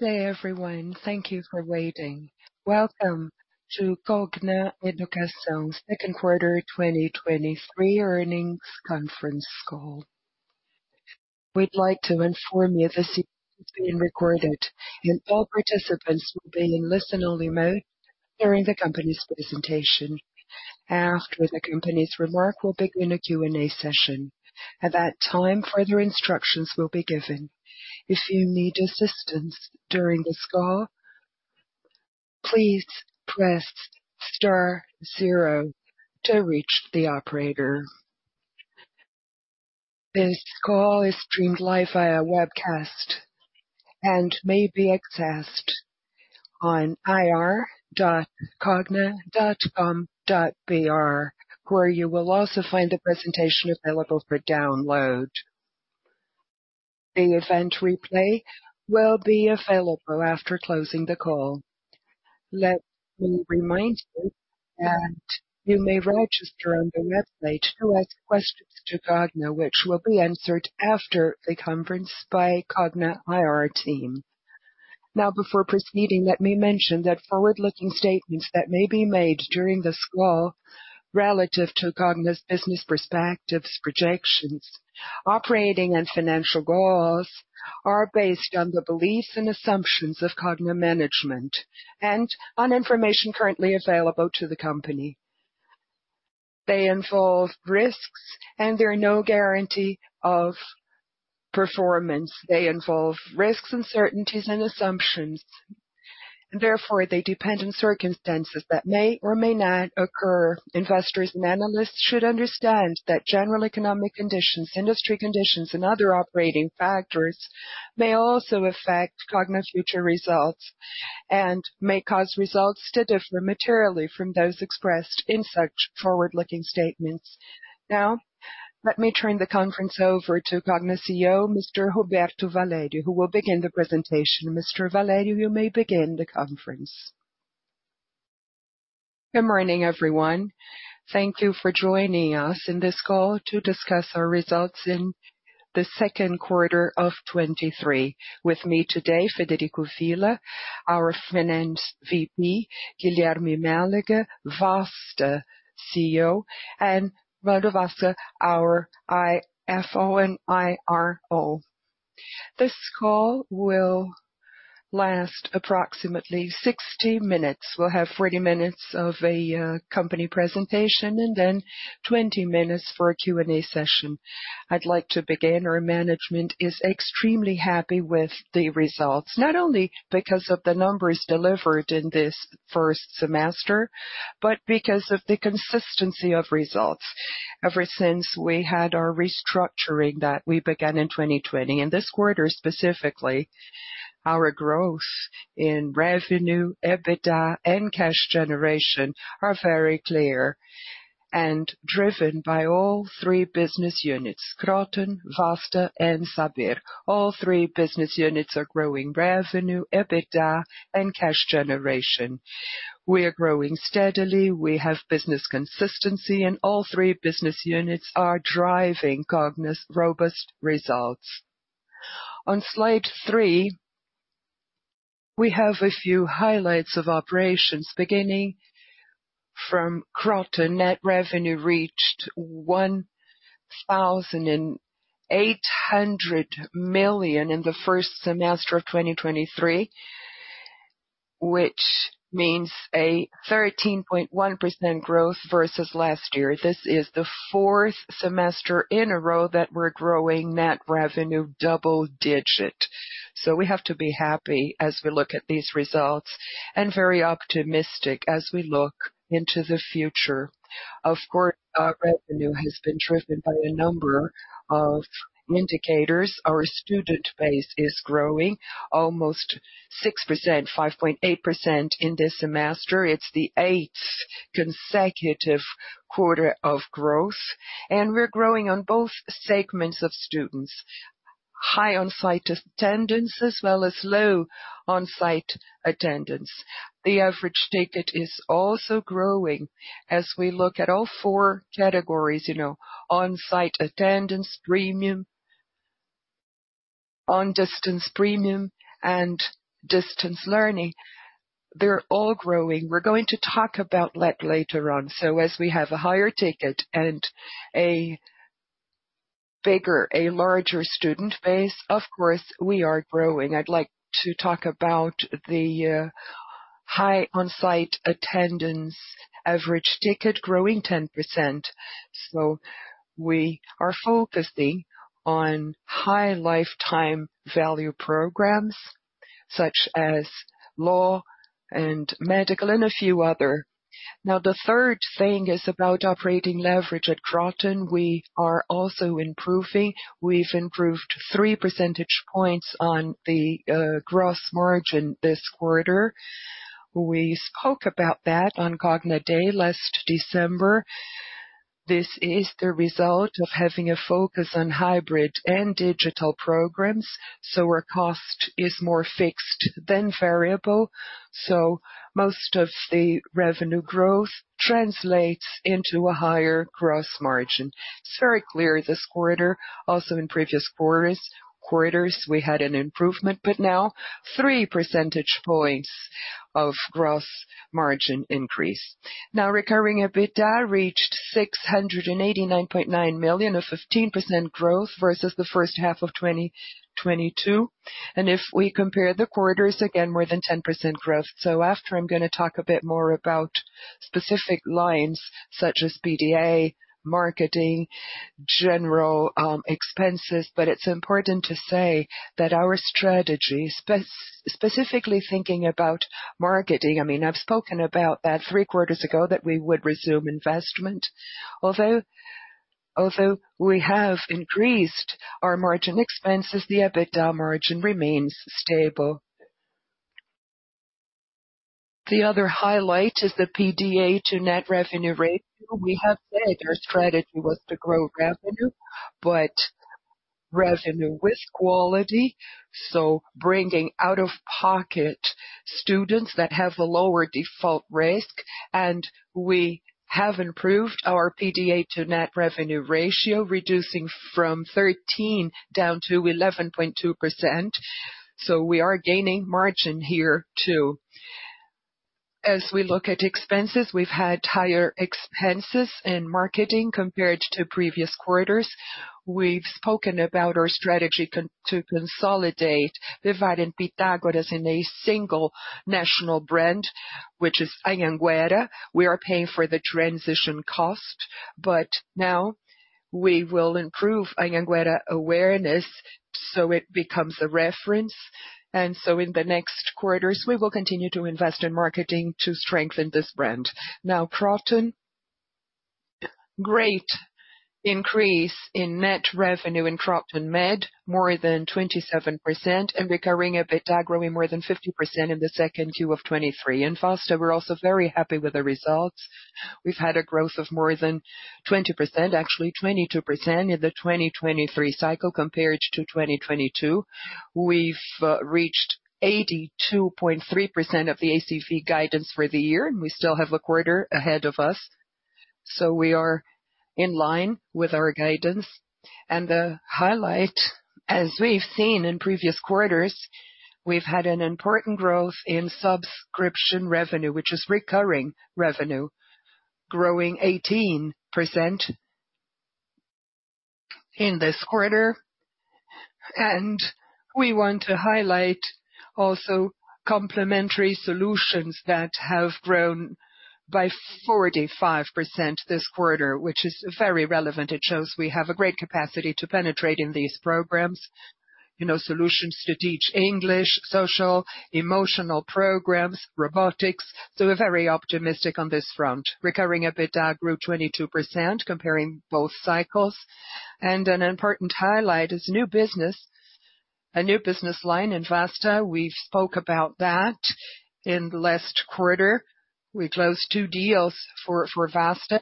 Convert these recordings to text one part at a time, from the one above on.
Good day, everyone. Thank you for waiting. Welcome to Cogna Educação's second quarter 2023 earnings conference call. We'd like to inform you this is being recorded, and all participants will be in listen-only mode during the company's presentation. After the company's remark, we'll begin a Q&A session. At that time, further instructions will be given. If you need assistance during this call, please press star zero to reach the operator. This call is streamed live via webcast and may be accessed on ir.cogna.com.br, where you will also find the presentation available for download. The event replay will be available after closing the call. Let me remind you that you may register on the website to ask questions to Cogna, which will be answered after the conference by Cogna IR team. Now, before proceeding, let me mention that forward-looking statements that may be made during this call relative to Cogna's business perspectives, projections, operating and financial goals, are based on the beliefs and assumptions of Cogna management and on information currently available to the company. They involve risks, and there are no guarantee of performance. They involve risks, uncertainties and assumptions, and therefore they depend on circumstances that may or may not occur. Investors and analysts should understand that general economic conditions, industry conditions, and other operating factors may also affect Cogna's future results and may cause results to differ materially from those expressed in such forward-looking statements. Now, let me turn the conference over to Cogna CEO, Mr. Roberto Valerio, who will begin the presentation. Mr. Valério, you may begin the conference. Good morning, everyone. Thank you for joining us in this call to discuss our results in the second quarter of 2023. With me today, Frederico Fialho, our Finance VP, Guilherme Mélega, Vasta CEO, and BrUNO Giardino, our CFO and IRO. This call will last approximately 60 minutes. We'll have 40 minutes of a company presentation and then 20 minutes for a Q&A session. I'd like to begin. Our management is extremely happy with the results, not only because of the numbers delivered in this first semester, but because of the consistency of results. Ever since we had our restructuring that we began in 2020, this quarter specifically, our growth in revenue, EBITDA and cash generation are very clear and driven by all three business units, Kroton, Vasta and Saber. All three business units are growing revenue, EBITDA and cash generation. We are growing steadily. We have business consistency, and all three business units are driving Cogna's robust results. On slide three, we have a few highlights of operations. Beginning from Kroton, net revenue reached 1,800 million in the 1st semester of 2023, which means a 13.1% growth versus last year. This is the 4th semester in a row that we're growing net revenue double digit. We have to be happy as we look at these results and very optimistic as we look into the future. Of course, our revenue has been driven by a number of indicators. Our student base is growing almost 6%, 5.8% in this semester. It's the 8th consecutive quarter of growth, and we're growing on both segments of students, high on-site attendance as well as low on-site attendance. The average ticket is also growing as we look at all four categories, you know, on-site attendance, premium, on-distance premium, and distance learning. They're all growing. We're going to talk about that later on. As we have a higher ticket and a bigger, a larger student base, of course, we are growing. I'd like to talk about the high on-site attendance, average ticket growing 10%. We are focusing on high lifetime value programs such as law and medical and a few other. Now, the third thing is about operating leverage. At Kroton, we are also improving. We've improved three percentage points on the gross margin this quarter. We spoke about that on Cogna Day last December.... This is the result of having a focus on hybrid and digital programs, so our cost is more fixed than variable. Most of the revenue growth translates into a higher gross margin. It's very clear this quarter, also in previous quarters, we had an improvement, but now three percentage points of gross margin increase. Now, recurring EBITDA reached 689.9 million, a 15% growth versus the first half of 2022. If we compare the quarters, again, more than 10% growth. After I'm gonna talk a bit more about specific lines such as PDA, marketing, general expenses. It's important to say that our strategy, specifically thinking about marketing, I mean, I've spoken about that three quarters ago, that we would resume investment. Although we have increased our margin expenses, the EBITDA margin remains stable. The other highlight is the PDA to net revenue ratio. We have said our strategy was to grow revenue, revenue with quality, so bringing out-of-pocket students that have a lower default risk, and we have improved our PDA to net revenue ratio, reducing from 13 down to 11.2%. We are gaining margin here, too. As we look at expenses, we've had higher expenses in marketing compared to previous quarters. We've spoken about our strategy to consolidate Uniderp and Pitágoras in a single national brand, which is Anhanguera. We are paying for the transition cost, now we will improve Anhanguera awareness, so it becomes a reference. In the next quarters, we will continue to invest in marketing to strengthen this brand. Now, Kroton. Great increase in net revenue in Kroton Med, more than 27%, and recurring EBITDA growing more than 50% in the 2Q of 2023. In Vasta, we're also very happy with the results. We've had a growth of more than 20%, actually 22% in the 2023 cycle compared to 2022. We've reached 82.3% of the ACV guidance for the year, and we still have a quarter ahead of us. We are in line with our guidance. The highlight, as we've seen in previous quarters, we've had an important growth in subscription revenue, which is recurring revenue, growing 18% in this quarter. We want to highlight also complementary solutions that have grown by 45% this quarter, which is very relevant. It shows we have a great capacity to penetrate in these programs, you know, solutions to teach English, social, emotional programs, robotics. We're very optimistic on this front. Recurring EBITDA grew 22%, comparing both cycles. An important highlight is new business. A new business line in Vasta. We spoke about that in the last quarter. We closed two deals for Vasta.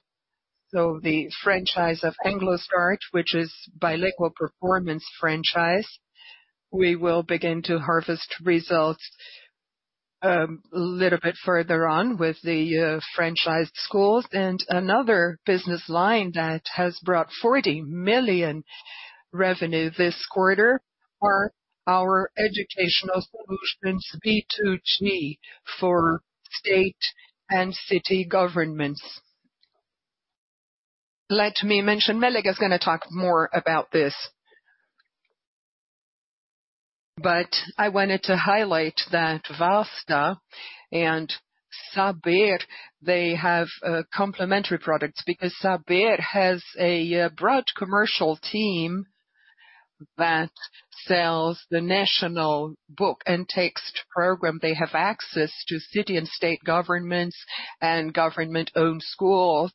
The franchise of Start Anglo, which is bilingual performance franchise, we will begin to harvest results a little bit further on with the franchised schools. Another business line that has brought 40 million revenue this quarter are our educational solutions, B2G, for state and city governments. Let me mention, Melek is gonna talk more about this. I wanted to highlight that Vasta and Saber, they have complementary products because Saber has a broad commercial team that sells the National Textbook Program. They have access to city and state governments and government-owned schools.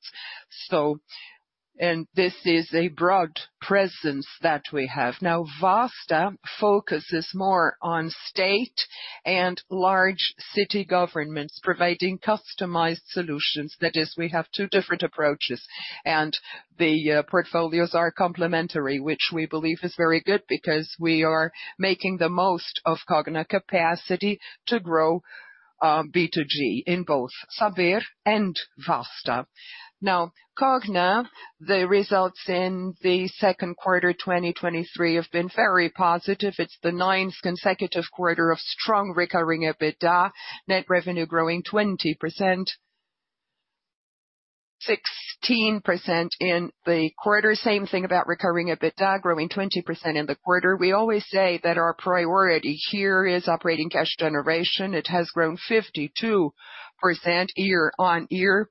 This is a broad presence that we have. Vasta focuses more on state and large city governments providing customized solutions. That is, we have two different approaches, and the portfolios are complementary, which we believe is very good because we are making the most of Cogna capacity to grow B2G in both Saber and Vasta. Cogna, the results in the second quarter, 2023, have been very positive. It's the ninth consecutive quarter of strong recurring EBITDA. Net revenue growing 20%, 16% in the quarter. Same thing about recurring EBITDA, growing 20% in the quarter. We always say that our priority here is operating cash generation. It has grown 52% year-on-year,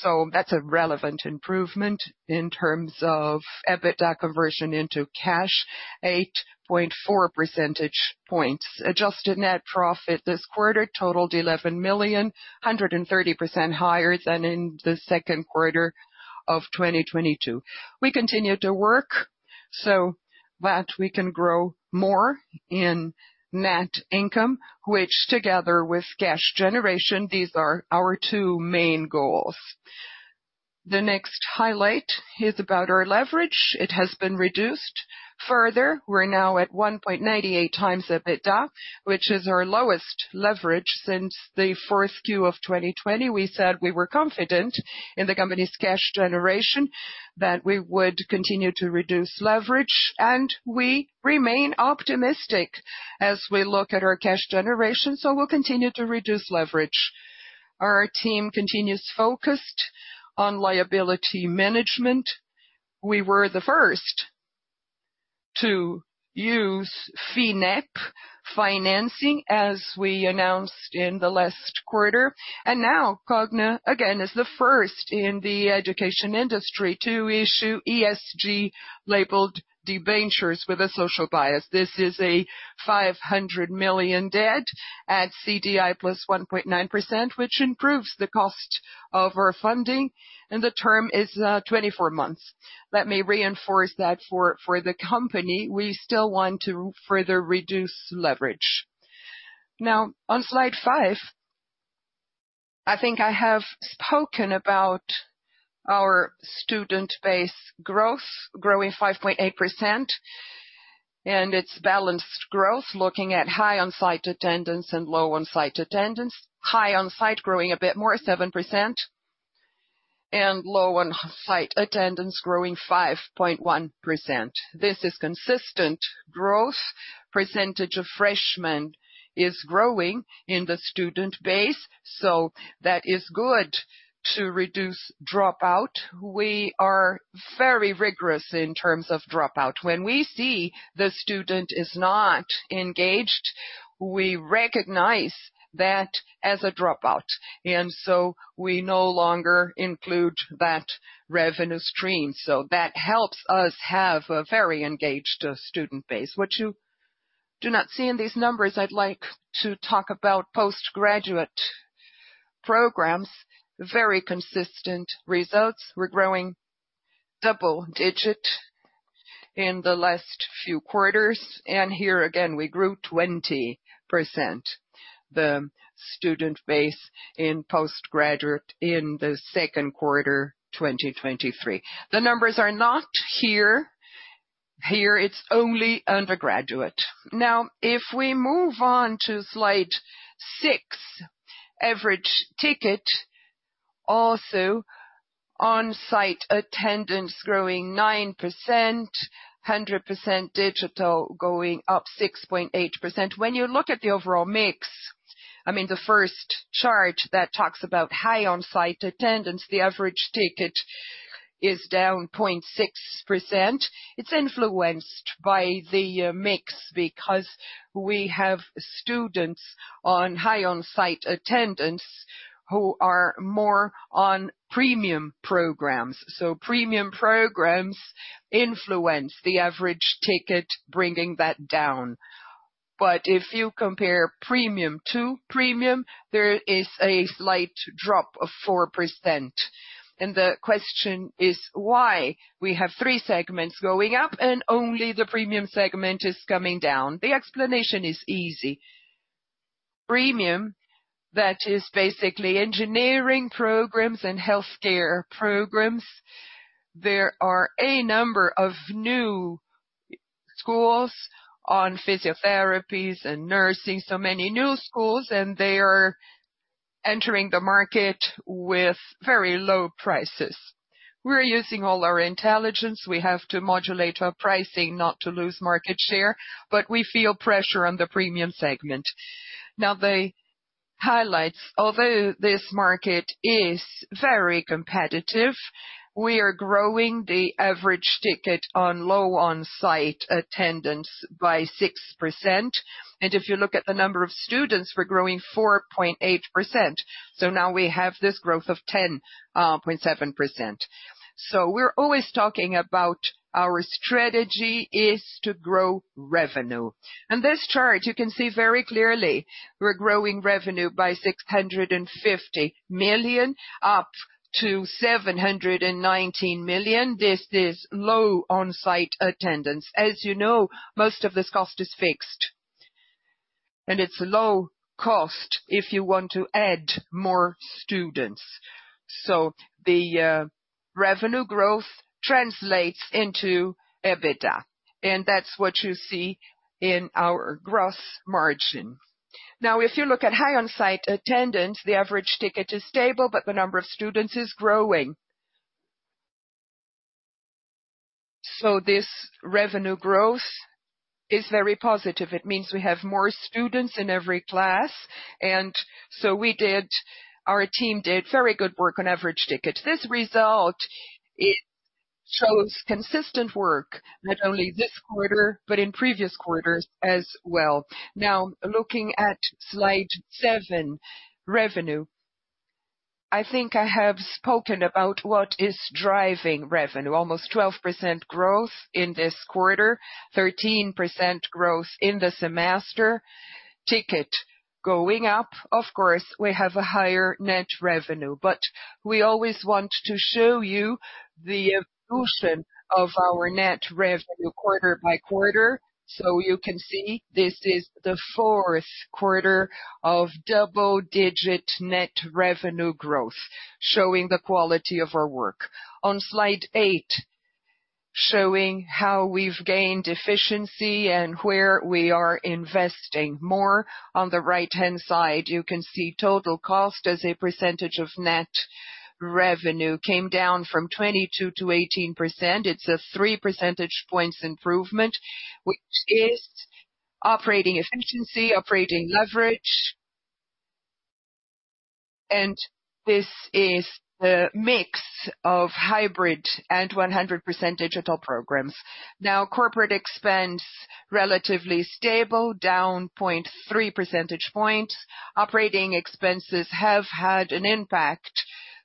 so that's a relevant improvement in terms of EBITDA conversion into cash, 8.4 percentage points. Adjusted net profit this quarter totaled 11 million, 130% higher than in the second quarter of 2022. We continue to. That we can grow more in net income, which together with cash generation, these are our two main goals. The next highlight is about our leverage. It has been reduced further. We're now at 1.98x EBITDA, which is our lowest leverage since the 4Q 2020. We said we were confident in the company's cash generation, that we would continue to reduce leverage. We remain optimistic as we look at our cash generation. We'll continue to reduce leverage. Our team continues focused on liability management. We were the first to use Finep financing, as we announced in the last quarter. Now Cogna, again, is the first in the education industry to issue ESG labeled debentures with a social bias. This is a 500 million debt at CDI + 1.9%, which improves the cost of our funding, and the term is 24 months. Let me reinforce that for, for the company, we still want to further reduce leverage. Now on slide five, I think I have spoken about our student base growth growing 5.8%, and it's balanced growth. Looking at high on-site attendance and low on-site attendance. High on-site growing a bit more, 7%, and low on-site attendance growing 5.1%. This is consistent growth. Percentage of freshmen is growing in the student base, so that is good to reduce dropout. We are very rigorous in terms of dropout. When we see the student is not engaged, we recognize that as a dropout, we no longer include that revenue stream. That helps us have a very engaged student base. What you do not see in these numbers, I'd like to talk about post-graduate programs. Very consistent results. We're growing double digit in the last few quarters, here again, we grew 20%, the student base in post-graduate in the second quarter, 2023. The numbers are not here. Here, it's only undergraduate. If we move on to slide six, average ticket, also on-site attendance growing 9%, 100% digital going up 6.8%. When you look at the overall mix, I mean, the first chart that talks about high on-site attendance, the average ticket is down 0.6%. It's influenced by the mix, because we have students on high on-site attendance who are more on premium programs. Premium programs influence the average ticket, bringing that down. If you compare premium to premium, there is a slight drop of 4%. The question is, why? We have three segments going up and only the premium segment is coming down. The explanation is easy. Premium, that is basically engineering programs and healthcare programs. There are a number of new schools on physiotherapies and nursing, so many new schools, and they are entering the market with very low prices. We're using all our intelligence. We have to modulate our pricing not to lose market share, but we feel pressure on the premium segment. The highlights. Although this market is very competitive, we are growing the average ticket on low on-site attendance by 6%. If you look at the number of students, we're growing 4.8%. Now we have this growth of 10.7%. We're always talking about our strategy is to grow revenue. This chart, you can see very clearly, we're growing revenue by 650 million, up to 719 million. This is low on-site attendance. As you know, most of this cost is fixed, and it's low cost if you want to add more students. The revenue growth translates into EBITDA, and that's what you see in our gross margin. Now, if you look at high on-site attendance, the average ticket is stable, but the number of students is growing. This revenue growth is very positive. It means we have more students in every class, and so our team did very good work on average ticket. This result, it shows consistent work, not only this quarter, but in previous quarters as well. Looking at slide seven, revenue. I think I have spoken about what is driving revenue. Almost 12% growth in this quarter, 13% growth in the semester, ticket going up. Of course, we have a higher net revenue, but we always want to show you the evolution of our net revenue quarter by quarter. You can see this is the fourth quarter of double-digit net revenue growth, showing the quality of our work. On slide eight, showing how we've gained efficiency and where we are investing more. On the right-hand side, you can see total cost as a percentage of net revenue came down from 22%-18%. It's a three percentage points improvement, which is operating efficiency, operating leverage. This is the mix of hybrid and 100% digital programs. Now, corporate expense, relatively stable, down 0.3 percentage points. Operating expenses have had an impact.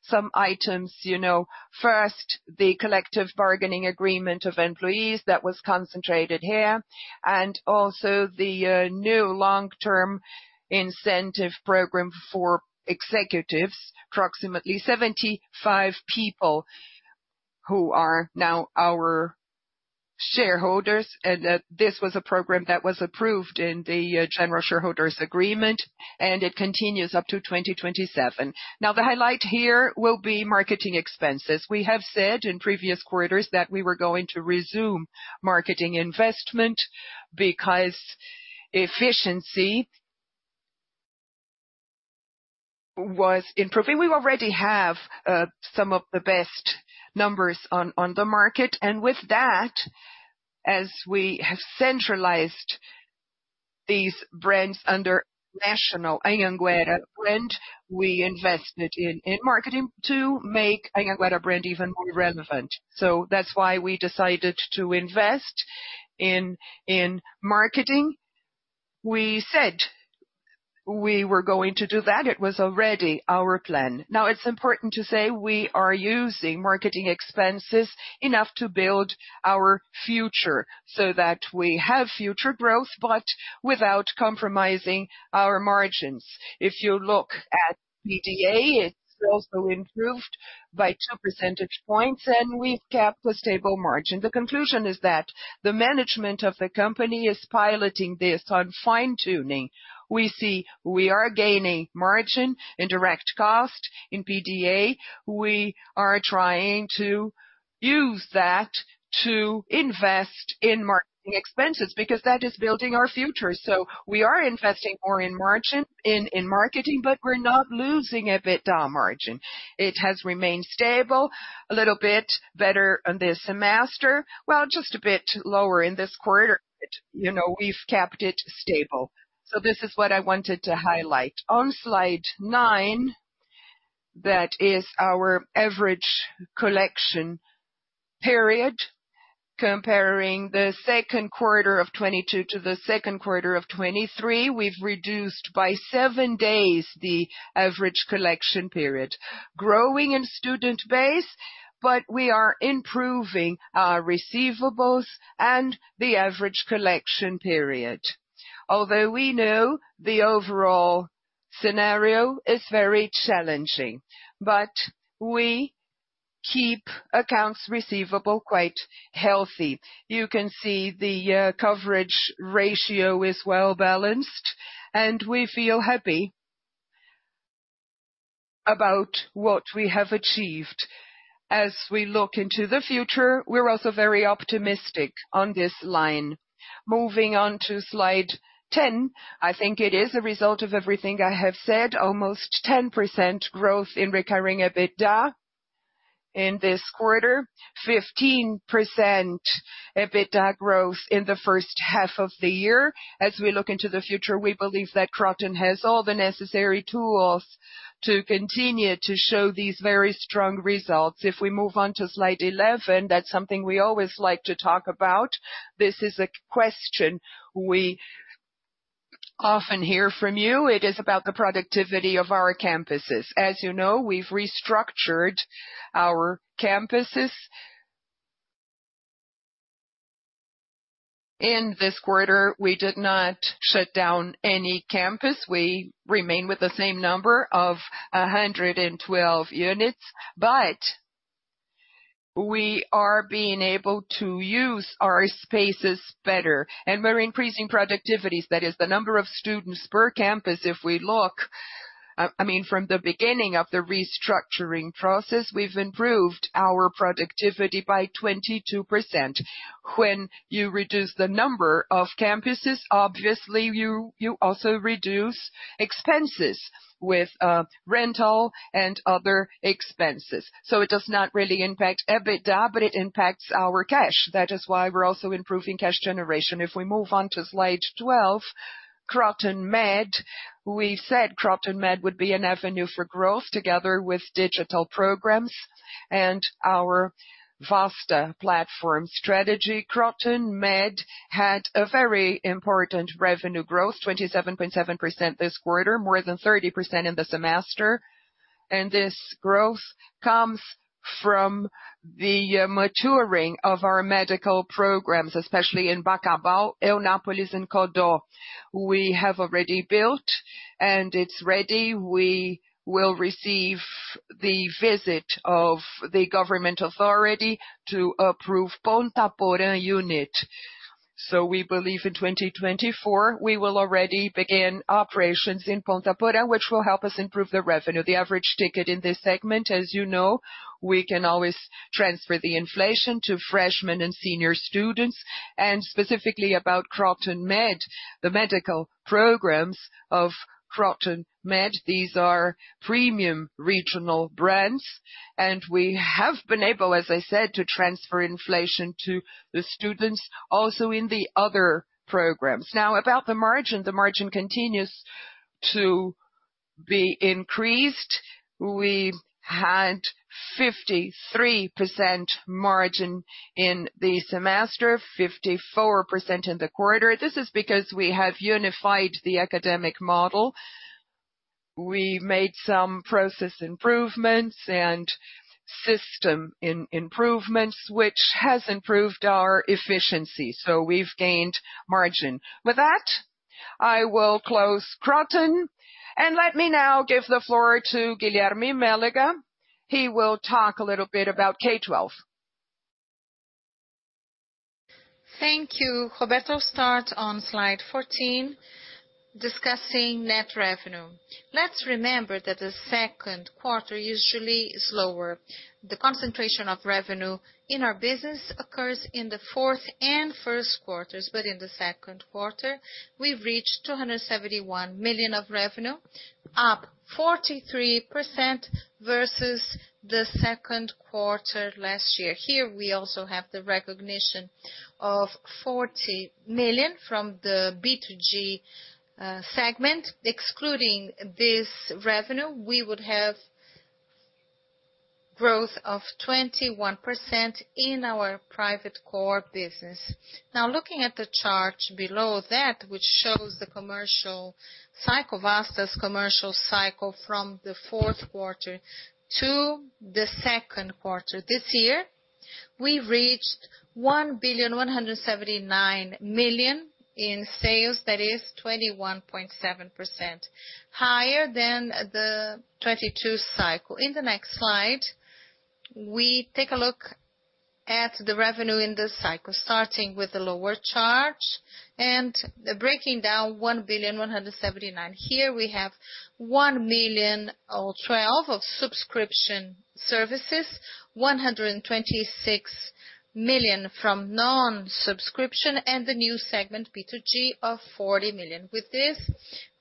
Some items, you know, first, the collective bargaining agreement of employees, that was concentrated here, and also the new long-term incentive program for executives, approximately 75 people who are now our shareholders. This was a program that was approved in the general shareholders agreement, and it continues up to 2027. Now, the highlight here will be marketing expenses. We have said in previous quarters that we were going to resume marketing investment because efficiency was improving. We already have some of the best numbers on the market. With that, as we have centralized these brands under national Anhanguera brand, we invested in marketing to make Anhanguera brand even more relevant. That's why we decided to invest in marketing. We said we were going to do that. It was already our plan. Now, it's important to say we are using marketing expenses enough to build our future so that we have future growth, without compromising our margins. If you look at PDA, it's also improved by two percentage points. We've kept a stable margin. The conclusion is that the management of the company is piloting this on fine-tuning. We see we are gaining margin in direct cost. In PDA, we are trying to use that to invest in marketing expenses, because that is building our future. We are investing more in marketing, but we're not losing EBITDA margin. It has remained stable, a little bit better on this semester. Just a bit lower in this quarter, but, you know, we've kept it stable. This is what I wanted to highlight. On slide nine, that is our average collection period. Comparing the second quarter of 2022 to the second quarter of 2023, we've reduced by seven days the average collection period. Growing in student base, but we are improving our receivables and the average collection period, although we know the overall scenario is very challenging, but we keep accounts receivable quite healthy. You can see the coverage ratio is well-balanced, and we feel happy about what we have achieved. As we look into the future, we're also very optimistic on this line. Moving on to slide 10, I think it is a result of everything I have said, almost 10% growth in recurring EBITDA in this quarter, 15% EBITDA growth in the first half of the year. As we look into the future, we believe that Kroton has all the necessary tools to continue to show these very strong results. If we move on to slide 11, that's something we always like to talk about. This is a question we often hear from you. It is about the productivity of our campuses. As you know, we've restructured our campuses. In this quarter, we did not shut down any campus. We remain with the same number of 112 units, but we are being able to use our spaces better, and we're increasing productivities. That is the number of students per campus, if we look. I mean, from the beginning of the restructuring process, we've improved our productivity by 22%. When you reduce the number of campuses, obviously, you, you also reduce expenses with rental and other expenses. It does not really impact EBITDA, but it impacts our cash. That is why we're also improving cash generation. If we move on to slide 12, Kroton Med. We said Kroton Med would be an avenue for growth together with digital programs and our Vasta Platform strategy. Kroton Med had a very important revenue growth, 27.7% this quarter, more than 30% in the semester. This growth comes from the maturing of our medical programs, especially in Bacabal, Eunápolis, and Codó. We have already built, and it's ready. We will receive the visit of the government authority to approve Ponta Porã unit. We believe in 2024, we will already begin operations in Ponta Porã, which will help us improve the revenue. The average ticket in this segment, as you know, we can always transfer the inflation to freshmen and senior students, and specifically about Kroton Med, the medical programs of Kroton Med. These are premium regional brands, and we have been able, as I said, to transfer inflation to the students, also in the other programs. About the margin, the margin continues to be increased. We had 53% margin in the semester, 54% in the quarter. This is because we have unified the academic model. We made some process improvements and system in-improvements, which has improved our efficiency, so we've gained margin. With that, I will close Kroton, and let me now give the floor to Guilherme Meliga. He will talk a little bit about K-12. Thank you. Roberto start on slide 14, discussing net revenue. Let's remember that the second quarter usually is lower. The concentration of revenue in our business occurs in the fourth and first quarters, in the second quarter, we've reached 271 million of revenue, up 43% versus the second quarter last year. Here, we also have the recognition of 40 million from the B2G segment. Excluding this revenue, we would have growth of 21% in our private core business. Looking at the chart below that, which shows the commercial cycle, Vasta's commercial cycle from the fourth quarter to the second quarter. This year, we reached 1.179 billion in sales, that is 21.7% higher than the 2022 cycle. In the next slide, we take a look at the revenue in this cycle, starting with the lower charge and the breaking down 1,179 million. Here, we have 1,012 million of subscription services, 126 million from non-subscription, and the new segment, B2G, of 40 million. With this,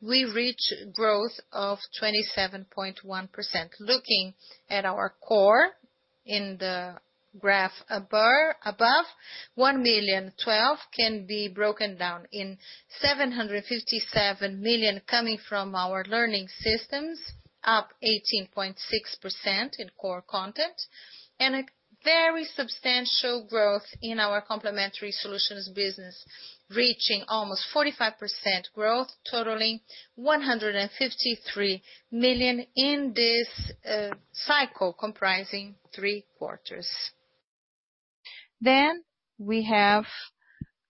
we reach growth of 27.1%. Looking at our core in the graph above, 1,012 million can be broken down in 757 million coming from our learning systems, up 18.6% in core content, and a very substantial growth in our complementary solutions business, reaching almost 45% growth, totaling 153 million in this cycle, comprising three quarters. We have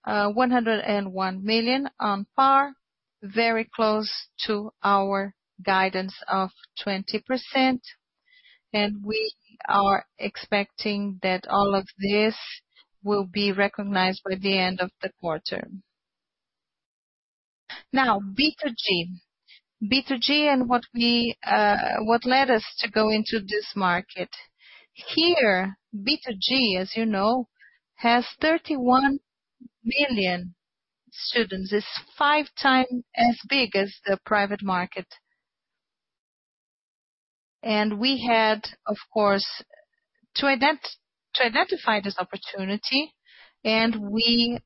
101 million on par, very close to our guidance of 20%, and we are expecting that all of this will be recognized by the end of the quarter. Now, B2G. B2G, what we, what led us to go into this market. Here, B2G, as you know, has 31 million students. It's 5x as big as the private market. We had, of course, to identify this opportunity, and we,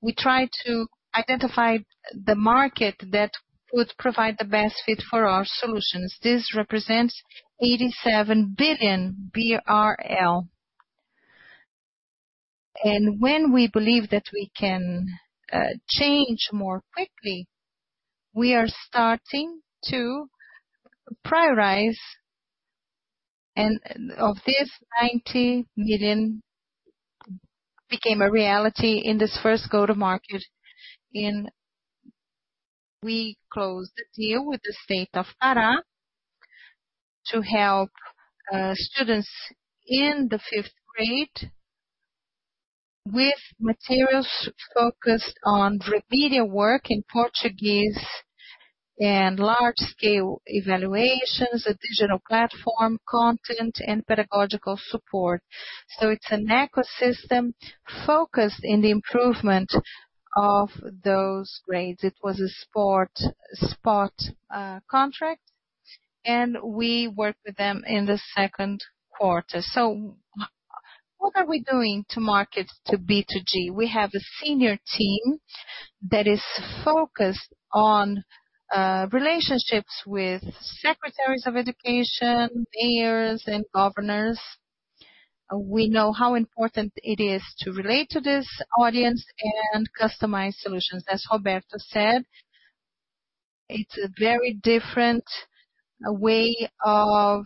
we tried to identify the market that would provide the best fit for our solutions. This represents 87 billion BRL. When we believe that we can change more quickly, we are starting to prioritize, and of this, 90 million became a reality in this first go-to-market. We closed the deal with the state of Pará to help students in the fifth grade with materials focused on remedial work in Portuguese and large-scale evaluations, a digital platform, content, and pedagogical support. It's an ecosystem focused in the improvement of those grades. It was a spot contract, and we worked with them in the second quarter. What are we doing to market to B2G? We have a senior team that is focused on relationships with secretaries of education, mayors, and governors. We know how important it is to relate to this audience and customize solutions. As Roberto said, it's a very different way of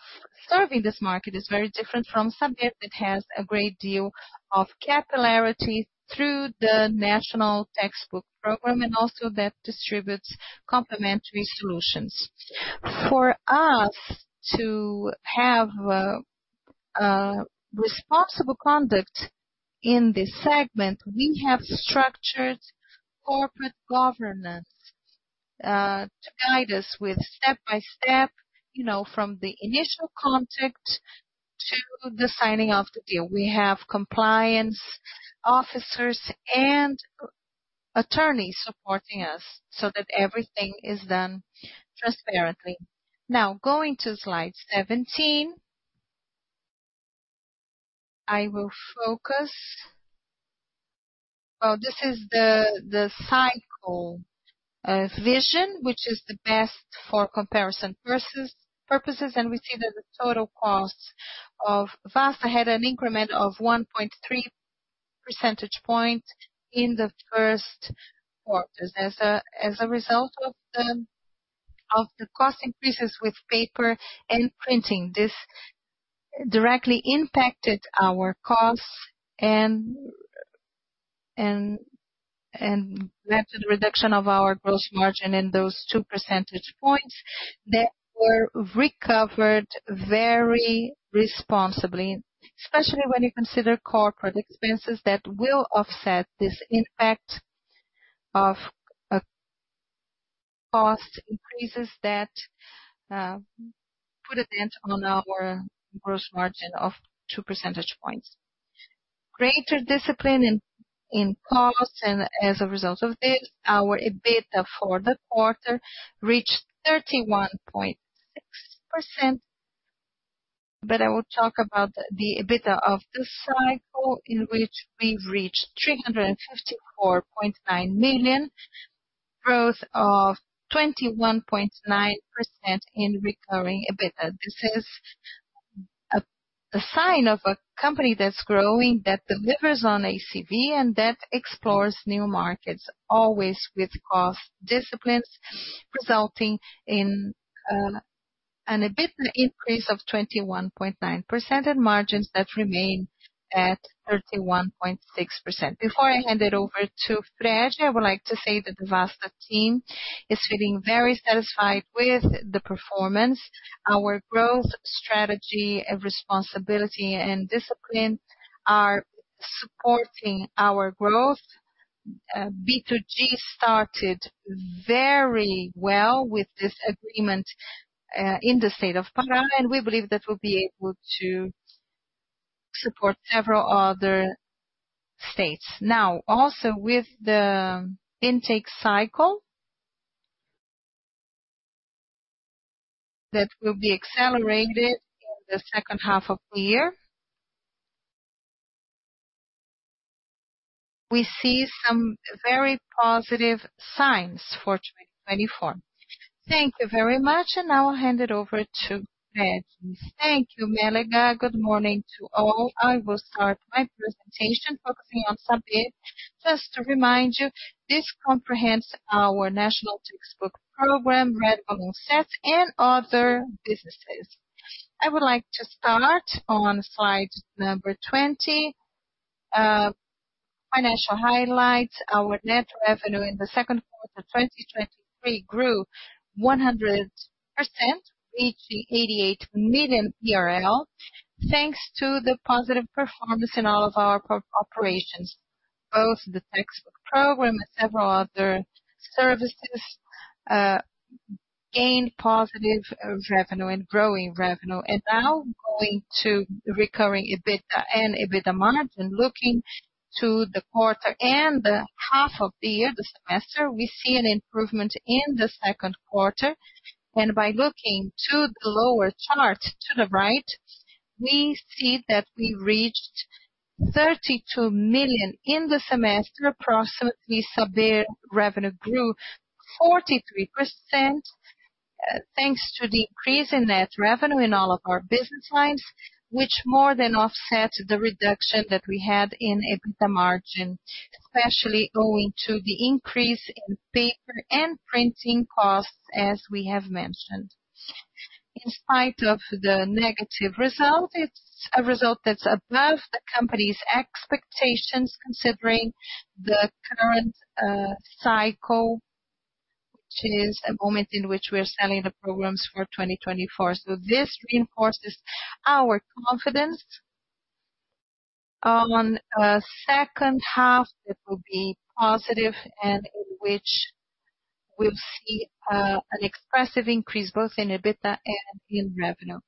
serving this market. It's very different from subject that has a great deal of capillarity through the National Textbook Program, and also that distributes complementary solutions. For us to have a responsible conduct in this segment, we have structured corporate governance to guide us with step-by-step, you know, from the initial contact to the signing of the deal. We have compliance officers and attorneys supporting us. Everything is done transparently. Going to slide 17. This is the cycle vision, which is the best for comparison versus purposes. We see that the total cost of Vasta had an increment of 1.3 percentage point in the first quarter. As a result of the cost increases with paper and printing, this directly impacted our costs and led to the reduction of our gross margin in those two percentage points that were recovered very responsibly, especially when you consider corporate expenses that will offset this impact of cost increases that put a dent on our gross margin of two percentage points. Greater discipline in costs, and as a result of this, our EBITDA for the quarter reached 31.6%. I will talk about the EBITDA of the cycle, in which we've reached 354.9 million, growth of 21.9% in recurring EBITDA. This is a sign of a company that's growing, that delivers on ACV, and that explores new markets, always with cost disciplines, resulting in an EBITDA increase of 21.9%, and margins that remain at 31.6%. Before I hand it over to Fred, I would like to say that the Vasta team is feeling very satisfied with the performance. Our growth strategy, responsibility, and discipline are supporting our growth. B2G started very well with this agreement in the state of Pará, and we believe that we'll be able to support several other states. Now, also with the intake cycle, that will be accelerated in the second half of the year, we see some very positive signs for 2024. Thank you very much, now I'll hand it over to Fred. Thank you, uncertain Good morning to all. I will start my presentation focusing on Saber. Just to remind you, this comprehends our National Textbook Program, uncertain, and other businesses. I would like to start on slide number 20. Financial highlights. Our net revenue in the second quarter of 2023 grew 100%, reaching 88 million, thanks to the positive performance in all of our operations. Both the textbook program and several other services gained positive revenue and growing revenue. Now going to recurring EBITDA and EBITDA margin. Looking to the quarter and the half of the year, the semester, we see an improvement in the second quarter, and by looking to the lower chart, to the right, we see that we reached 32 million in the semester. Approximately, Saber revenue grew 43%, thanks to the increase in net revenue in all of our business lines, which more than offset the reduction that we had in EBITDA margin, especially owing to the increase in paper and printing costs, as we have mentioned. In spite of the negative result, it's a result that's above the company's expectations, considering the current cycle, which is a moment in which we are selling the programs for 2024. This reinforces our confidence on a second half that will be positive and in which we'll see an expressive increase, both in EBITDA and in revenue.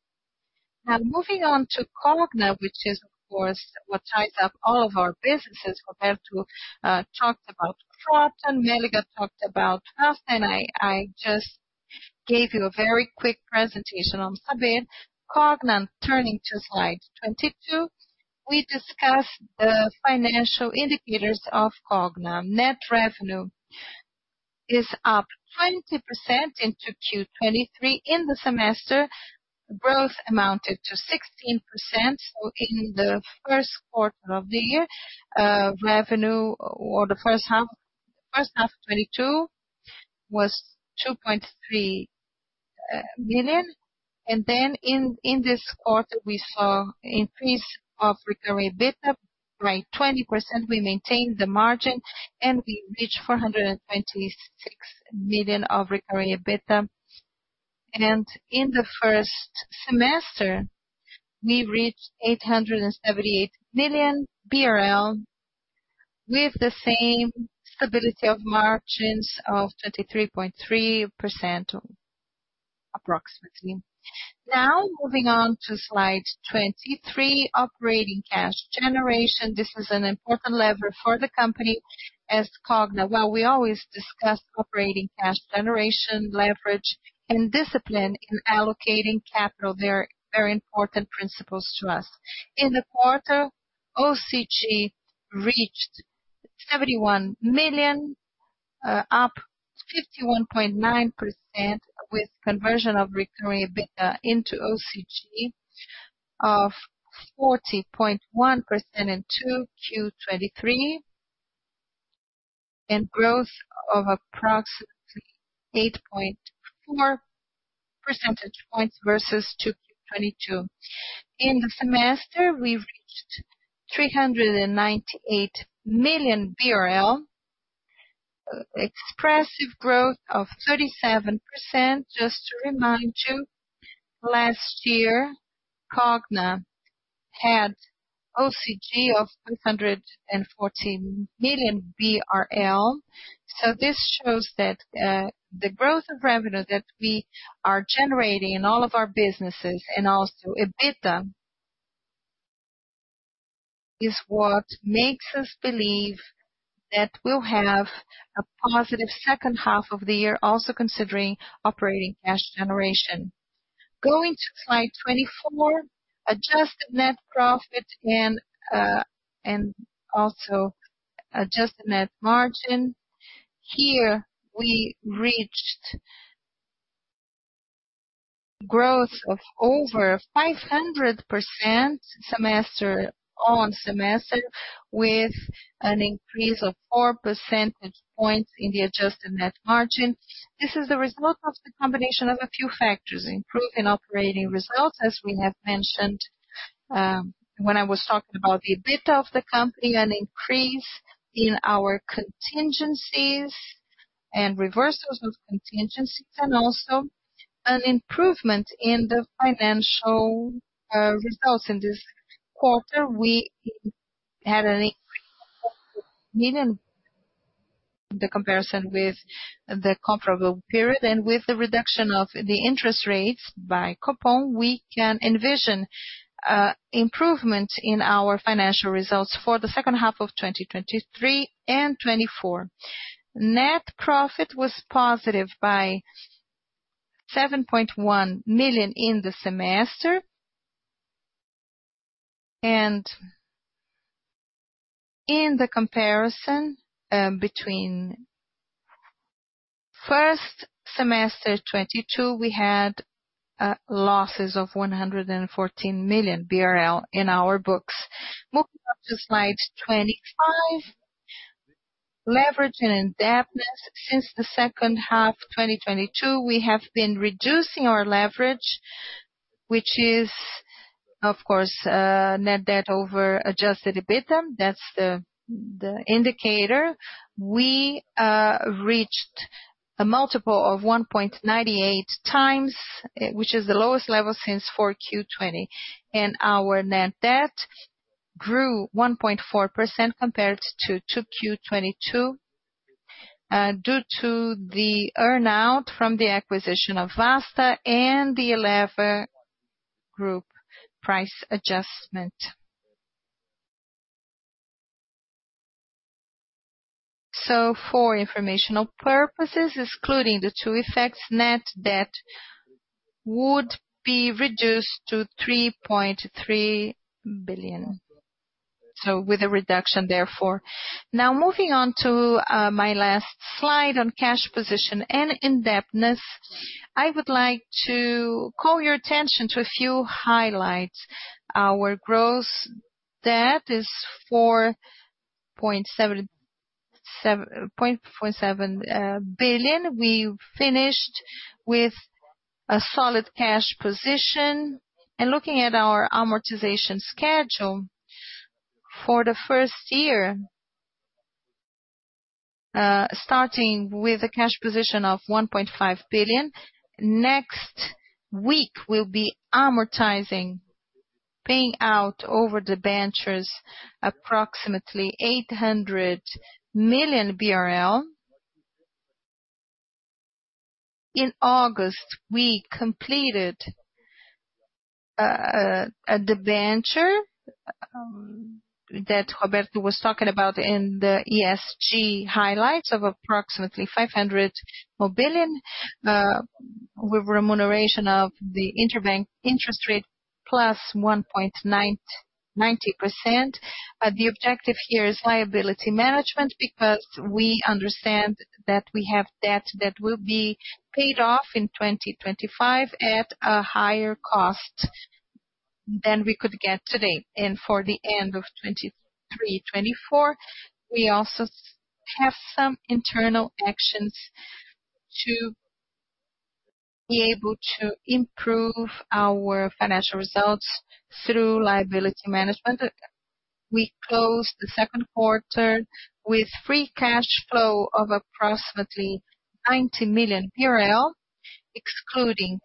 Moving on to Cogna, which is, of course, what ties up all of our businesses. Roberto talked about Kroton, uncertain talked about us, and I just gave you a very quick presentation on Saber. Cogna, turning to slide 22. We discuss the financial indicators of Cogna. Net revenue is up 20% into Q 23. In the semester, growth amounted to 16%. In the first quarter of the year, revenue or the first half 2022 was 2.3 billion. In this quarter, we saw increase of recurring EBITDA by 20%. We maintained the margin, we reached 426 million of recurring EBITDA. In the first semester, we reached 878 million BRL, with the same stability of margins of 33.3%, approximately. Now, moving on to slide 23, operating cash generation. This is an important lever for the company as Cogna. While we always discuss operating cash generation, leverage, and discipline in allocating capital, they are very important principles to us. In the quarter, OCG reached 71 million, up 51.9%, with conversion of recurring EBITDA into OCG of 40.1% in 2Q 2023, and growth of approximately 8.4 percentage points versus 2Q 2022. In the semester, we reached BRL 398 million, expressive growth of 37%. Just to remind you, last year, Cogna had OCG of 514 million BRL. This shows that the growth of revenue that we are generating in all of our businesses, and also EBITDA, is what makes us believe that we'll have a positive second half of the year, also considering operating cash generation. Going to slide 24, adjusted net profit and also adjusted net margin. Here, we reached growth of over 500% semester on semester, with an increase of four percentage points in the adjusted net margin. This is a result of the combination of a few factors: improve in operating results, as we have mentioned, when I was talking about the EBITDA of the company, an increase in our contingencies and reversals of contingencies, and also an improvement in the financial results. In this quarter, we had an increase of BRL million, the comparison with the comparable period, and with the reduction of the interest rates by coupon, we can envision improvement in our financial results for the second half of 2023 and 2024. Net profit was positive by 7.1 million in the semester. In the comparison, between first semester 2022, we had losses of 114 million BRL in our books. Moving on to slide 25, leverage and indebtedness. Since the second half of 2022, we have been reducing our leverage, which is, of course, net debt over adjusted EBITDA. That's the, the indicator. We reached a multiple of 1.98 times, which is the lowest level since 4Q 2020, and our net debt grew 1.4% compared to 2Q 2022, due to the earn-out from the acquisition of Vasta and the Eleva group price adjustment. For informational purposes, excluding the two effects, net debt would be reduced to 3.3 billion. With a reduction, therefore. Moving on to my last slide on cash position and indebtedness. I would like to call your attention to a few highlights. Our gross debt is 4.47 billion. We finished with a solid cash position. Looking at our amortization schedule for the first year, starting with a cash position of 1.5 billion, next week, we'll be amortizing, paying out over debentures, approximately BRL 800 million. In August, we completed a debenture that Roberto was talking about in the ESG highlights of approximately 500 million, with remuneration of the interbank interest rate, plus 1.99%. The objective here is liability management, because we understand that we have debt that will be paid off in 2025 at a higher cost than we could get today. For the end of 2023-2024, we also have some internal actions to be able to improve our financial results through liability management. We closed the second quarter with free cash flow of approximately BRL 90 million, excluding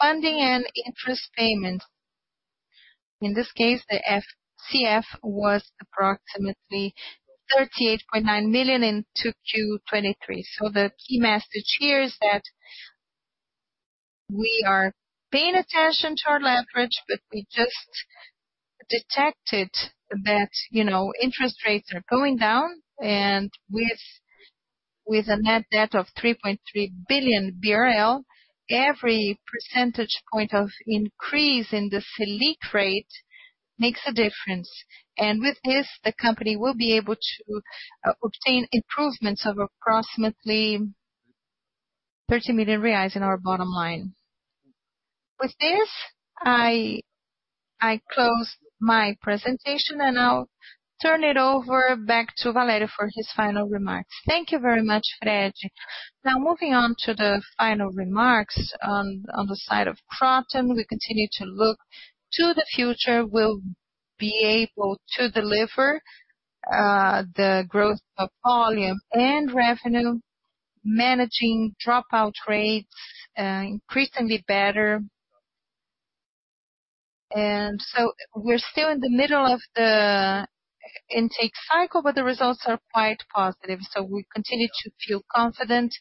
funding and interest payments. In this case, the FCF was approximately 38.9 million in 2Q 2023. The key message here is that we are paying attention to our leverage, but we just detected that, you know, interest rates are going down, and with a net debt of 3.3 billion BRL, every percentage point of increase in the SELIC rate makes a difference. With this, the company will be able to obtain improvements of approximately 30 million reais in our bottom line. With this, I close my presentation, and I'll turn it over back to Valerio for his final remarks. Thank you very much, Fred. Now, moving on to the final remarks. On the side of Kroton, we continue to look to the future. We'll be able to deliver the growth of volume and revenue, managing dropout rates increasingly better. We're still in the middle of the intake cycle, but the results are quite positive. We continue to feel confident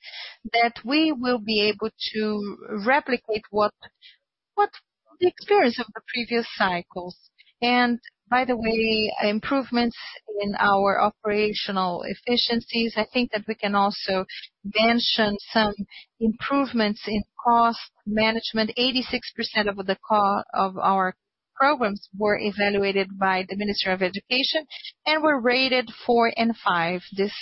that we will be able to replicate what, what the experience of the previous cycles. Improvements in our operational efficiencies, I think that we can also mention some improvements in cost management. 86% of our programs were evaluated by the Ministry of Education and were rated 4 and 5. This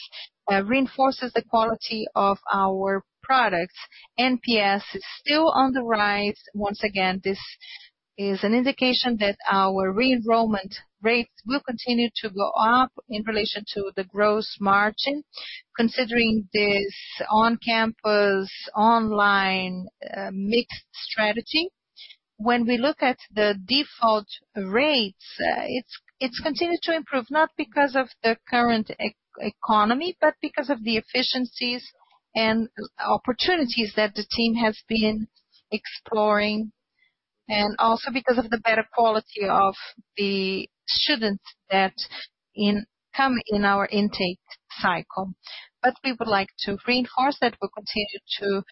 reinforces the quality of our products. NPS is still on the rise. Once again, this is an indication that our re-enrollment rates will continue to go up in relation to the gross margin, considering this on-campus, online, mixed strategy. When we look at the default rates, it's, it's continued to improve, not because of the current economy, but because of the efficiencies and opportunities that the team has been exploring, and also because of the better quality of the students that come in our intake cycle. We would like to reinforce that we'll continue to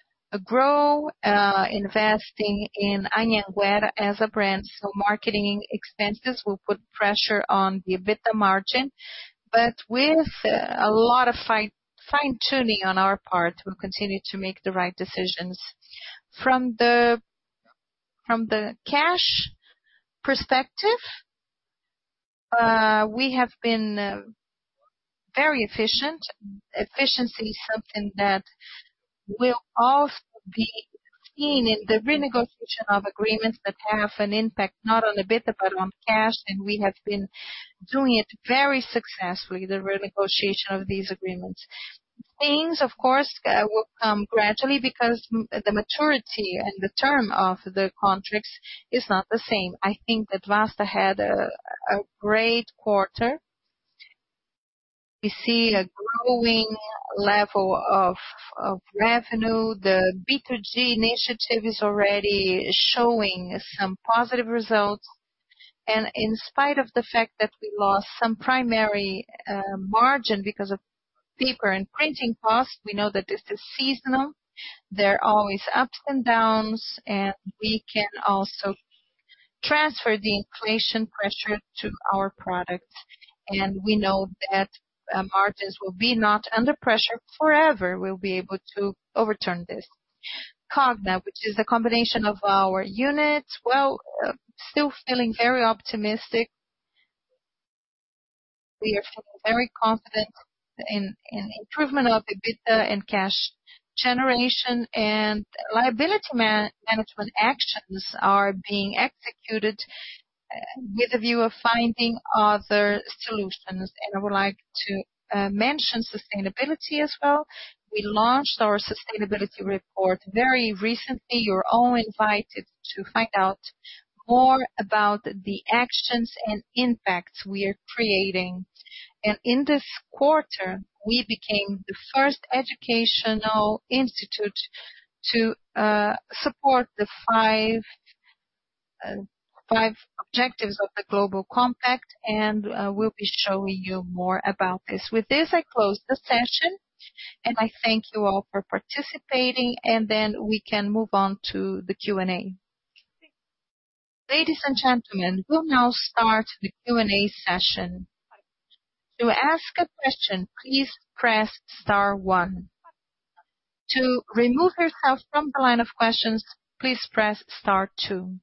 grow, investing in Anhembi Morumbi as a brand. Marketing expenses will put pressure on the EBITDA margin, but with a lot of fine-tuning on our part, we'll continue to make the right decisions. From the, from the cash perspective, we have been very efficient. Efficiency is something that will also be seen in the renegotiation of agreements that have an impact, not on EBITDA, but on cash, and we have been doing it very successfully, the renegotiation of these agreements. Things, of course, will come gradually because the maturity and the term of the contracts is not the same. I think that Vasta had a great quarter. We see a growing level of revenue. The B2G initiative is already showing some positive results. In spite of the fact that we lost some primary margin because of paper and printing costs, we know that this is seasonal. There are always ups and downs. We can also transfer the inflation pressure to our products. We know that margins will be not under pressure forever. We'll be able to overturn this. Cogna, which is a combination of our units, well, still feeling very optimistic. We are feeling very confident in improvement of EBITDA and cash generation. Liability management actions are being executed, with a view of finding other solutions. I would like to mention sustainability as well. We launched our sustainability report very recently. You're all invited to find out more about the actions and impacts we are creating. In this quarter, we became the first educational institute to support the five objectives of the Global Compact, and we'll be showing you more about this. With this, I close the session, and I thank you all for participating, we can move on to the Q&A.... Ladies and gentlemen, we'll now start the Q&A session. To ask a question, please press star one. To remove yourself from the line of questions, please press star two.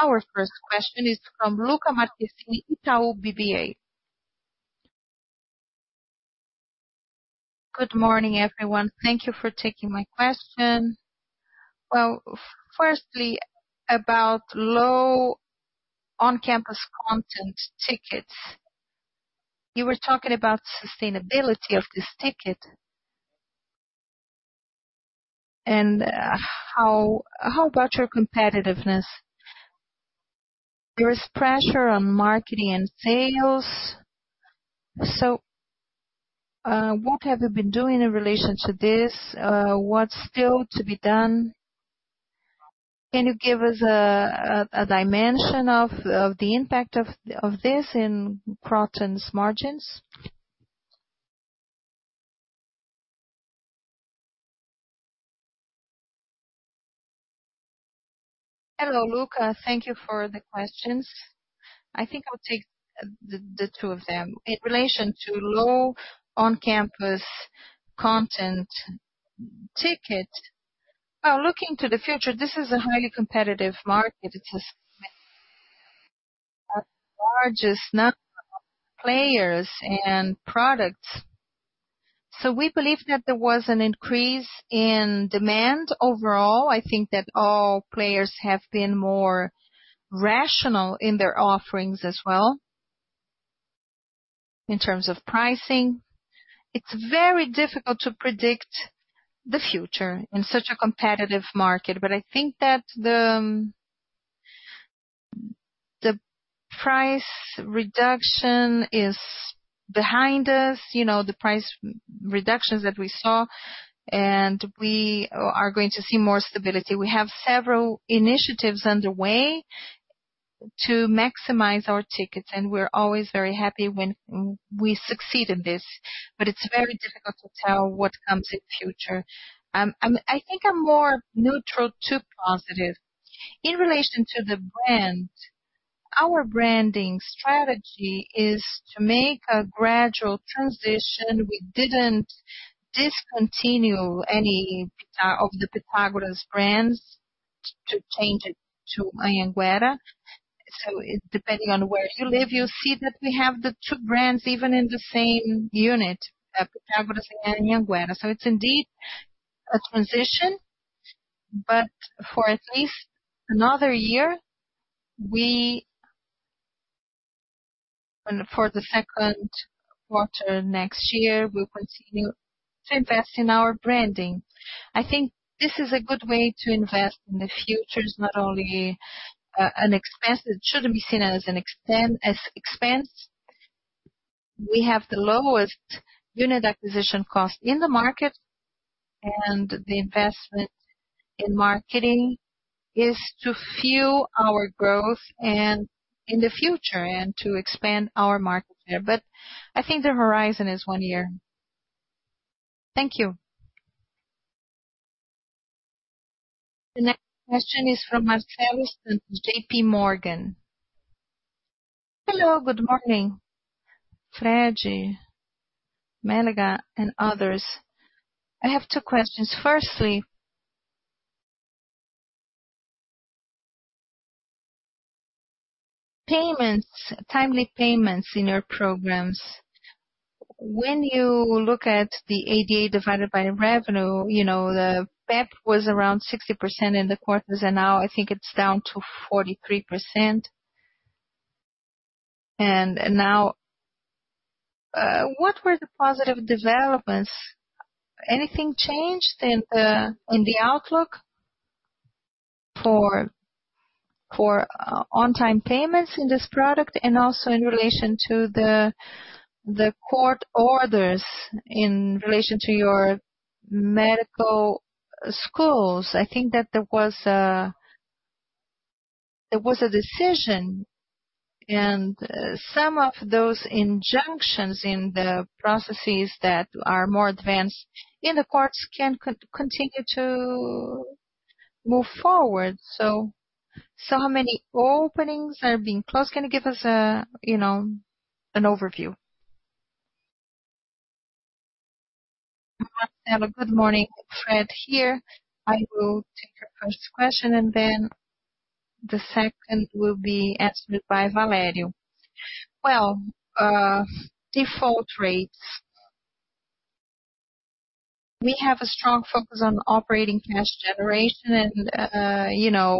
Our first question is from Lucas masterful, Itaú BBA. Good morning, everyone. Thank you for taking my question. Well, firstly, about low on-campus content tickets. You were talking about sustainability of this ticket. How, how about your competitiveness? There's pressure on marketing and sales, so, what have you been doing in relation to this? What's still to be done? Can you give us a, a, a dimension of, of the impact of, of this in Kroton's margins? Hello, Luca. Thank you for the questions. I think I'll take the, the two of them. In relation to low on-campus content ticket, looking to the future, this is a highly competitive market. It's a largest number of players and products. We believe that there was an increase in demand. Overall, I think that all players have been more rational in their offerings as well, in terms of pricing. It's very difficult to predict the future in such a competitive market, but I think that the, the price reduction is behind us. You know, the price reductions that we saw, and we are going to see more stability. We have several initiatives underway to maximize our tickets, and we're always very happy when we succeed in this. It's very difficult to tell what comes in future. I think I'm more neutral to positive. In relation to the brand, our branding strategy is to make a gradual transition. We didn't discontinue any of the Pitágoras brands to, to change it to Anhanguera. Depending on where you live, you'll see that we have the two brands, even in the same unit, Pitágoras and Anhanguera. It's indeed a transition, but for at least another year, we. For the second quarter next year, we'll continue to invest in our branding. I think this is a good way to invest in the future. It's not only an expense. It shouldn't be seen as an expense. We have the lowest unit acquisition cost in the market, and the investment in marketing is to fuel our growth and in the future and to expand our market share. I think the horizon is one year. Thank you. The next question is from Marcellus, JPMorgan. Hello, good morning, Freddie, Maluhy, and others. I have 2 questions. Firstly, payments, timely payments in your programs. When you look at the ADA divided by revenue, you know, the PEP was around 60% in the quarters, and now I think it's down to 43%. Now, what were the positive developments? Anything changed in the outlook for on-time payments in this product? Also in relation to the court orders in relation to your medical schools. I think that there was a, there was a decision, some of those injunctions in the processes that are more advanced in the courts can continue to move forward. So how many openings are being closed? Can you give us a, you know, an overview? Hello, good morning. Fred here. I will take your first question. Then the second will be answered by Valerio. Well, default rates. We have a strong focus on operating cash generation and, you know,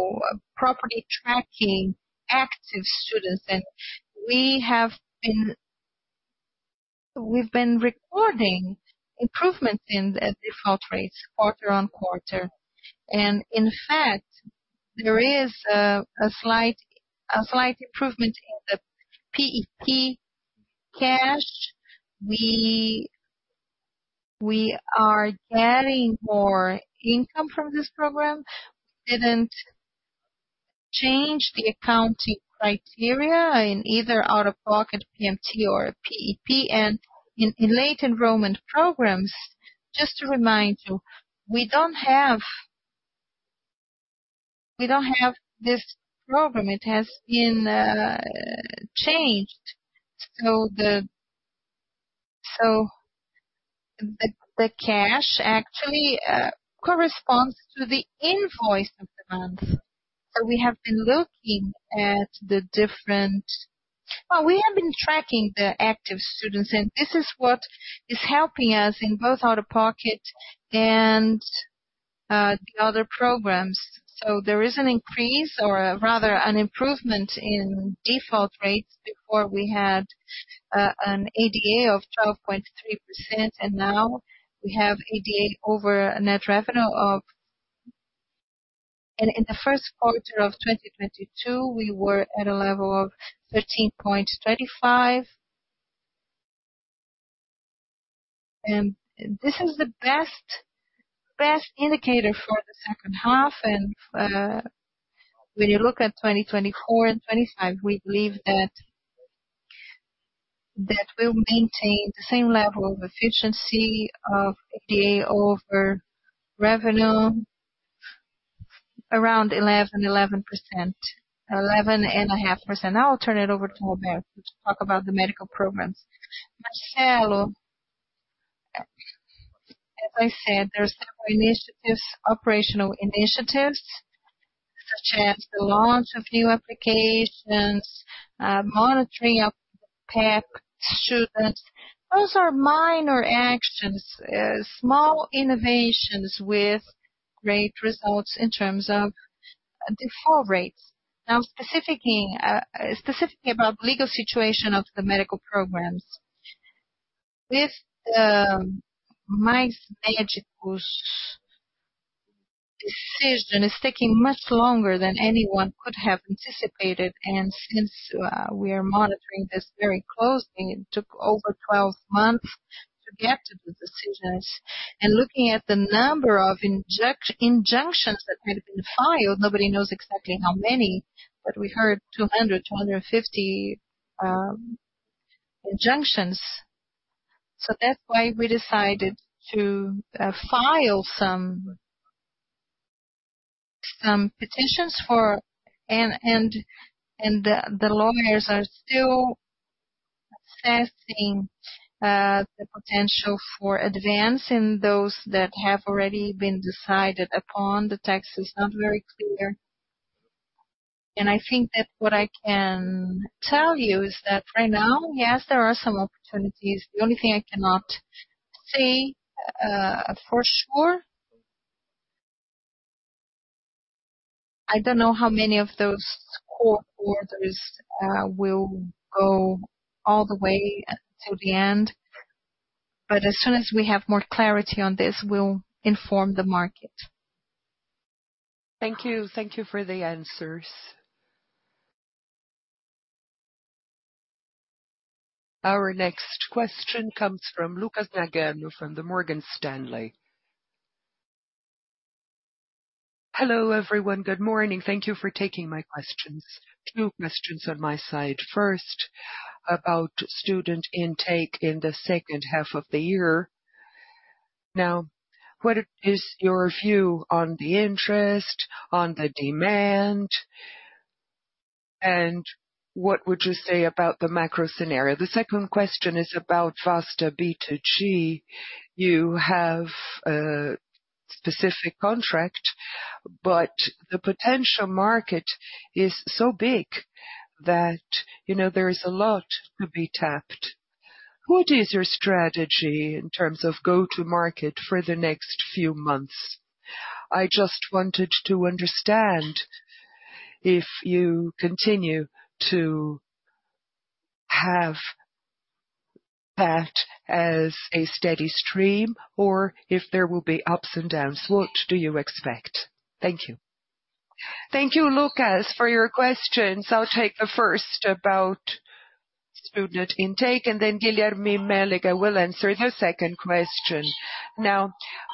properly tracking active students. We've been recording improvements in the default rates quarter on quarter. In fact, there is a slight improvement in the PEP cash. We are getting more income from this program. We didn't change the accounting criteria in either out-of-pocket PMT or PEP and in late enrollment programs. Just to remind you, we don't have, we don't have this program. It has been changed. The cash actually corresponds to the invoice of the month. We have been looking at the different-- we have been tracking the active students, and this is what is helping us in both out-of-pocket and the other programs. There is an increase or rather an improvement in default rates. Before we had an ADA of 12.3%, and now we have ADA over a net revenue of-- In the first quarter of 2022, we were at a level of 13.25. This is the best, best indicator for the second half. When you look at 2024 and 2025, we believe that, that we'll maintain the same level of efficiency of ADA over revenue around 11, 11%, 11.5%. Now I'll turn it over to Roberto to talk about the medical programs. Marcelo, as I said, there are several initiatives, operational initiatives, such as the launch of new applications, monitoring of PEP students. Those are minor actions, small innovations with great results in terms of default rates. Now, specifically, specifically about legal situation of the medical programs. With Mais Médicos decision is taking much longer than anyone could have anticipated, and since we are monitoring this very closely, it took over 12 months to get to the decisions. Looking at the number of injunctions that had been filed, nobody knows exactly how many, but we heard 200, 250 injunctions. That's why we decided to file some petitions for... The lawyers are still assessing the potential for advance in those that have already been decided upon. The text is not very clear. I think that what I can tell you is that right now, yes, there are some opportunities. The only thing I cannot say for sure... I don't know how many of those court orders will go all the way until the end, but as soon as we have more clarity on this, we'll inform the market. Thank you. Thank you for the answers. Our next question comes from Lucas Nagano from the Morgan Stanley. Hello, everyone. Good morning. Thank you for taking my questions. Two questions on my side. First, about student intake in the second half of the year. Now, what is your view on the interest, on the demand, and what would you say about the macro scenario? The second question is about Vasta B2G. You have a specific contract, but the potential market is so big that, you know, there is a lot to be tapped. What is your strategy in terms of go-to-market for the next few months? I just wanted to understand if you continue to have that as a steady stream or if there will be ups and downs. What do you expect? Thank you. Thank you, Lucas, for your questions. I'll take the first about student intake, and then Guilherme Mélega will answer the second question.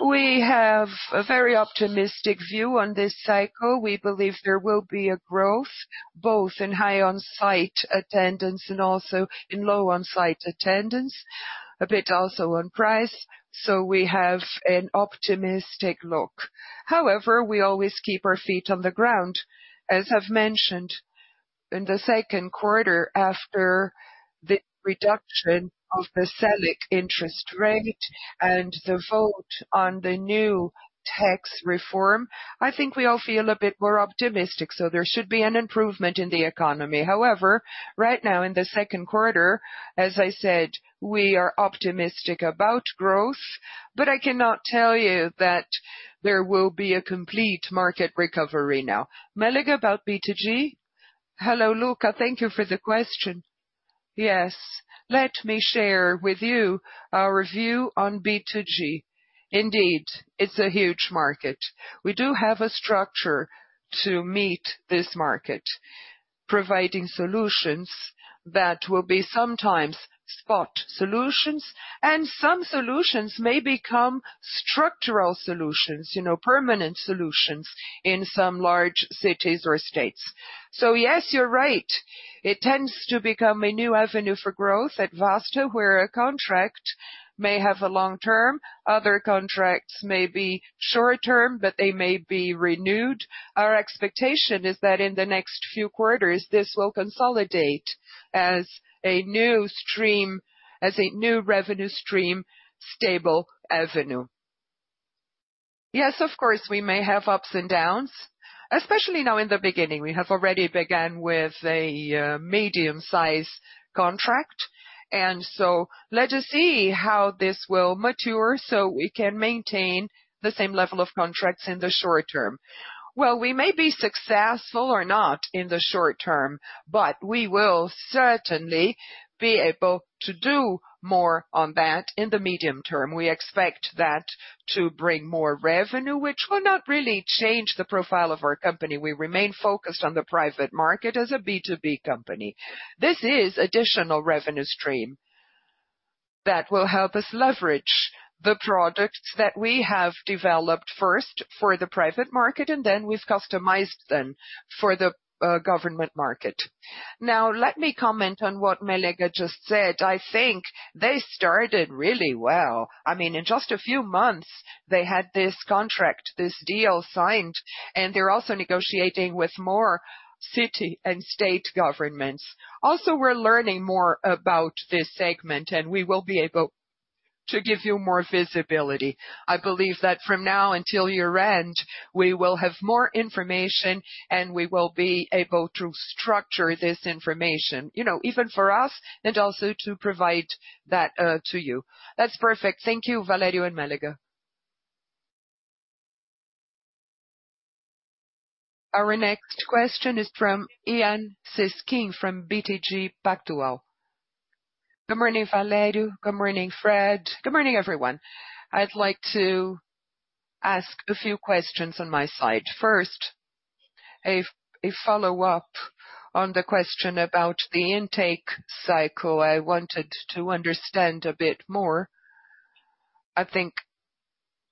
We have a very optimistic view on this cycle. We believe there will be a growth, both in high on-site attendance and also in low on-site attendance, a bit also on price. We have an optimistic look. We always keep our feet on the ground. As I've mentioned, in the second quarter, after the reduction of the SELIC interest rate and the vote on the new tax reform, I think we all feel a bit more optimistic, so there should be an improvement in the economy. Right now, in the second quarter, as I said, we are optimistic about growth, but I cannot tell you that there will be a complete market recovery now. Mélega, about B2G? Hello, Luca. Thank you for the question. Yes, let me share with you our view on B2G. Indeed, it's a huge market. We do have a structure to meet this market.... providing solutions that will be sometimes spot solutions, and some solutions may become structural solutions, you know, permanent solutions in some large cities or states. Yes, you're right. It tends to become a new avenue for growth at Vasta, where a contract may have a long term, other contracts may be short term, but they may be renewed. Our expectation is that in the next few quarters, this will consolidate as a new revenue stream, stable avenue. Of course, we may have ups and downs, especially now in the beginning. We have already begun with a medium-size contract. Let us see how this will mature so we can maintain the same level of contracts in the short term. Well, we may be successful or not in the short term, but we will certainly be able to do more on that in the medium term. We expect that to bring more revenue, which will not really change the profile of our company. We remain focused on the private market as a B2B company. This is additional revenue stream that will help us leverage the products that we have developed, first, for the private market, and then we've customized them for the government market. Now, let me comment on what uncertain just said. I think they started really well. I mean, in just a few months, they had this contract, this deal signed, and they're also negotiating with more city and state governments. Also, we're learning more about this segment, and we will be able to give you more visibility. I believe that from now until year-end, we will have more information, and we will be able to structure this information, you know, even for us, and also to provide that to you. That's perfect. Thank Roberto Valerio and Guilherme Alves Mélega. Our next question is from Ilan Siskis, from BTG Pactual. Good Roberto Valerio. good morning, Fred. Good morning, everyone. I'd like to ask a few questions on my side. First, a follow-up on the question about the intake cycle. I wanted to understand a bit more. I think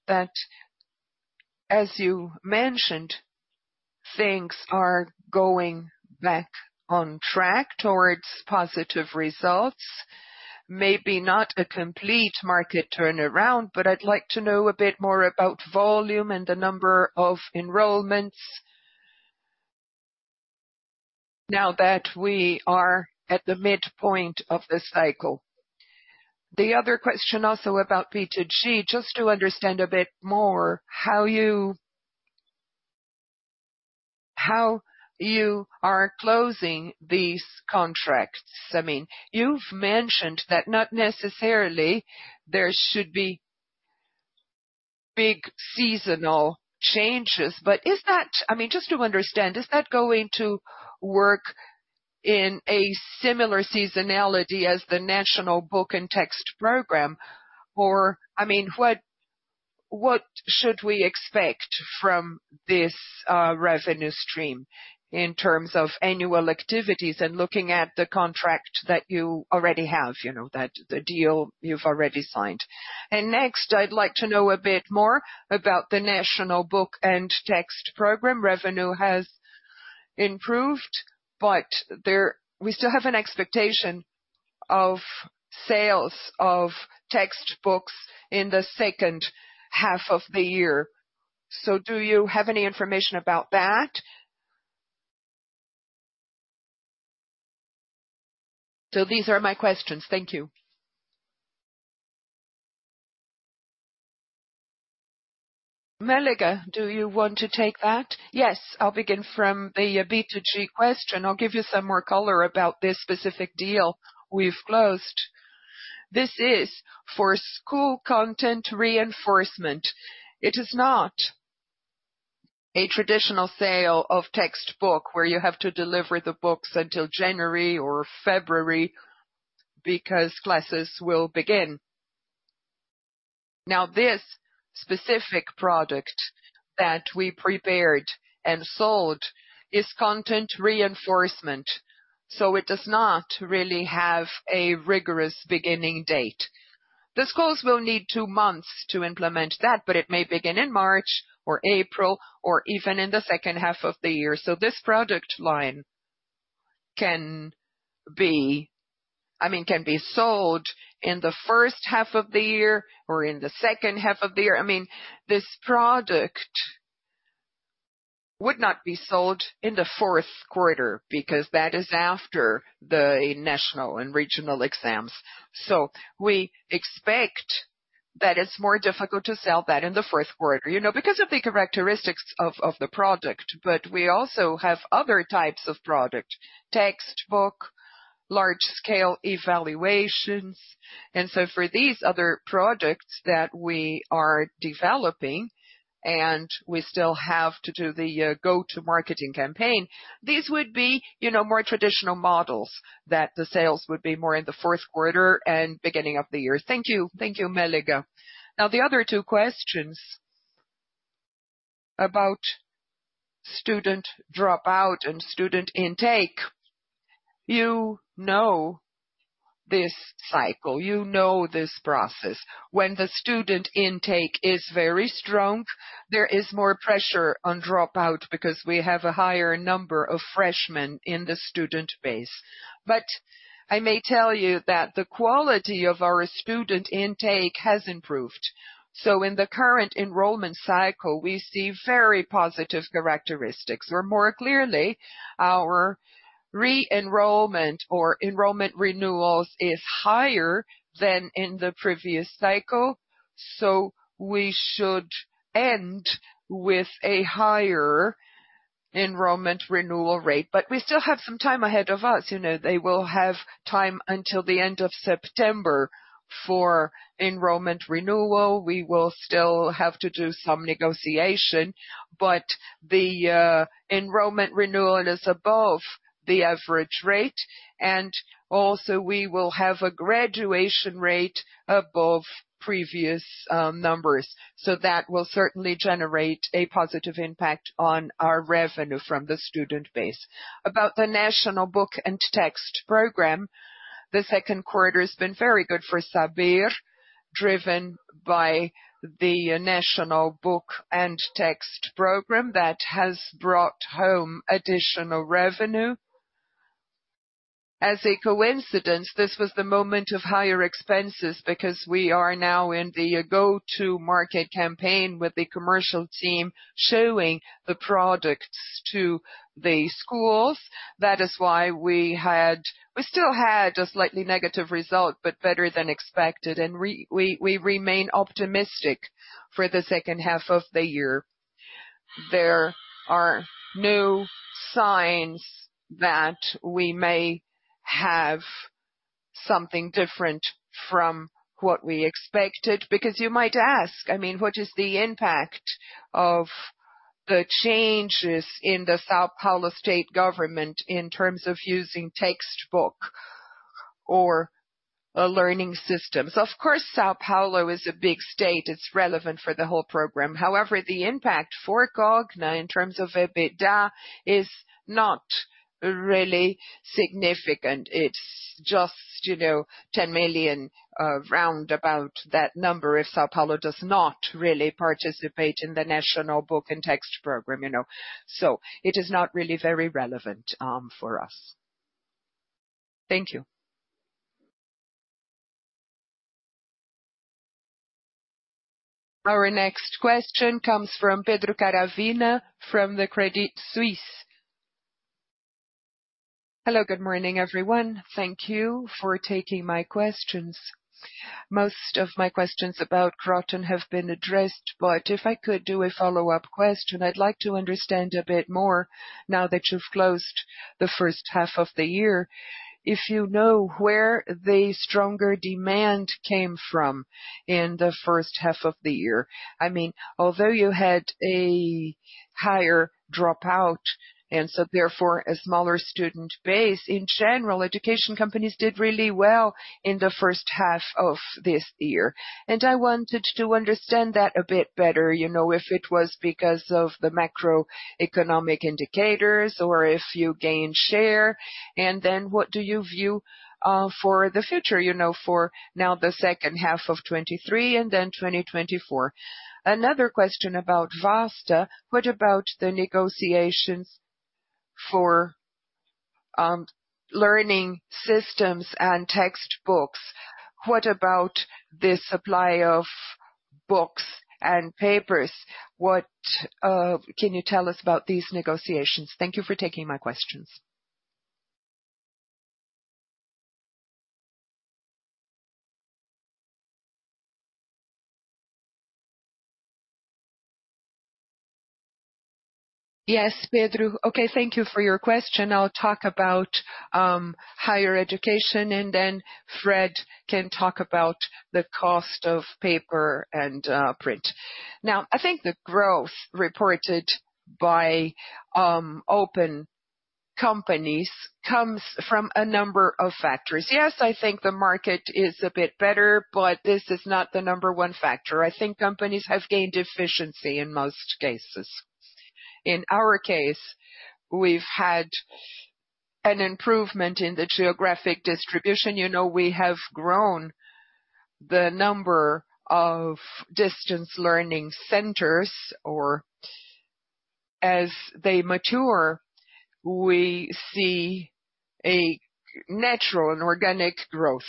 that, as you mentioned, things are going back on track towards positive results. Maybe not a complete market turnaround, but I'd like to know a bit more about volume and the number of enrollments now that we are at the midpoint of the cycle. The other question, also about BTG, just to understand a bit more how you... how you are closing these contracts. I mean, you've mentioned that not necessarily there should be big seasonal changes, but is that, I mean, just to understand, is that going to work in a similar seasonality as the National Textbook Program? I mean, what, what should we expect from this revenue stream in terms of annual activities and looking at the contract that you already have, you know, that the deal you've already signed? Next, I'd like to know a bit more about the National Textbook Program. Revenue has improved, but we still have an expectation of sales of textbooks in the second half of the year. Do you have any information about that? These are my questions. Thank you. uncertain, do you want to take that? Yes, I'll begin from the B2G question. I'll give you some more color about this specific deal we've closed. This is for school content reinforcement. It is not a traditional sale of textbook, where you have to deliver the books until January or February because classes will begin. This specific product that we prepared and sold is content reinforcement, so it does not really have a rigorous beginning date. The schools will need 2 months to implement that, it may begin in March or April or even in the second half of the year. This product line can be, I mean, can be sold in the first half of the year or in the second half of the year. I mean, this product would not be sold in the fourth quarter because that is after the national and regional exams. We expect that it's more difficult to sell that in the fourth quarter, you know, because of the characteristics of the product. We also have other types of product: textbook, large-scale evaluations. For these other products that we are developing, and we still have to do the go-to-market campaign, these would be, you know, more traditional models, that the sales would be more in the fourth quarter and beginning of the year. Thank you. Thank you, uncertain. Now, the other two questions. About student dropout and student intake, you know this cycle, you know this process. When the student intake is very strong, there is more pressure on dropout because we have a higher number of freshmen in the student base. I may tell you that the quality of our student intake has improved. In the current enrollment cycle, we see very positive characteristics, or more clearly, our re-enrollment or enrollment renewals is higher than in the previous cycle. We should end with a higher enrollment renewal rate. We still have some time ahead of us. You know, they will have time until the end of September for enrollment renewal. We will still have to do some negotiation, but the enrollment renewal is above the average rate, and also we will have a graduation rate above previous numbers. That will certainly generate a positive impact on our revenue from the student base. About the National Textbook Program, the second quarter has been very good for Saber, driven by the National Textbook Program that has brought home additional revenue. As a coincidence, this was the moment of higher expenses because we are now in the go-to-market campaign with the commercial team showing the products to the schools. That is why we had-- we still had a slightly negative result, but better than expected, we, we remain optimistic for the second half of the year. There are no signs that we may have something different from what we expected, because you might ask, I mean, what is the impact of the changes in the São Paulo state government in terms of using textbook or learning systems? Of course, São Paulo is a big state, it's relevant for the whole program. However, the impact for Cogna in terms of EBITDA is not really significant. It's just, you know, 10 million, roundabout that number, if São Paulo does not really participate in the National Textbook Program, you know. It is not really very relevant for us. Thank you. Our next question comes from Pedro Caravana from the Credit Suisse. Hello, good morning, everyone. Thank you for taking my questions. Most of my questions about Kroton have been addressed, but if I could do a follow-up question, I'd like to understand a bit more, now that you've closed the first half of the year, if you know where the stronger demand came from in the first half of the year. I mean, although you had a higher dropout, so therefore a smaller student base, in general, education companies did really well in the first half of this year. I wanted to understand that a bit better, you know, if it was because of the macroeconomic indicators or if you gained share, then what do you view for the future, you know, for now, the second half of 2023 and then 2024. Another question about Vasta: what about the negotiations for learning systems and textbooks? What about the supply of books and papers? What can you tell us about these negotiations? Thank you for taking my questions. Yes, Pedro. Okay, thank you for your question. I'll talk about higher education, then Fred can talk about the cost of paper and print. I think the growth reported by open companies comes from a number of factors. Yes, I think the market is a bit better, but this is not the number one factor. I think companies have gained efficiency in most cases. In our case, we've had an improvement in the geographic distribution. You know, we have grown the number of distance learning centers, or as they mature, we see a natural and organic growth.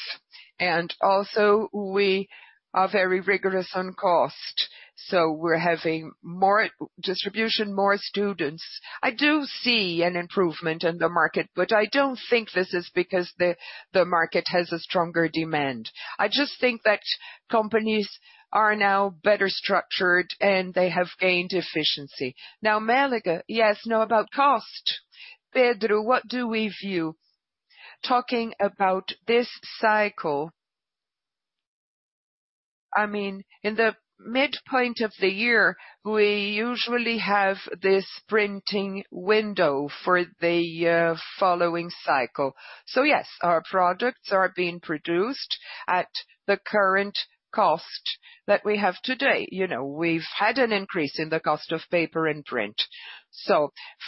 Also, we are very rigorous on cost, so we're having more distribution, more students. I do see an improvement in the market, but I don't think this is because the market has a stronger demand. I just think that companies are now better structured and they have gained efficiency. uncertain, yes, know about cost. Pedro, what do we view, talking about this cycle? I mean, in the midpoint of the year, we usually have this printing window for the following cycle. Yes, our products are being produced at the current cost that we have today. You know, we've had an increase in the cost of paper and print.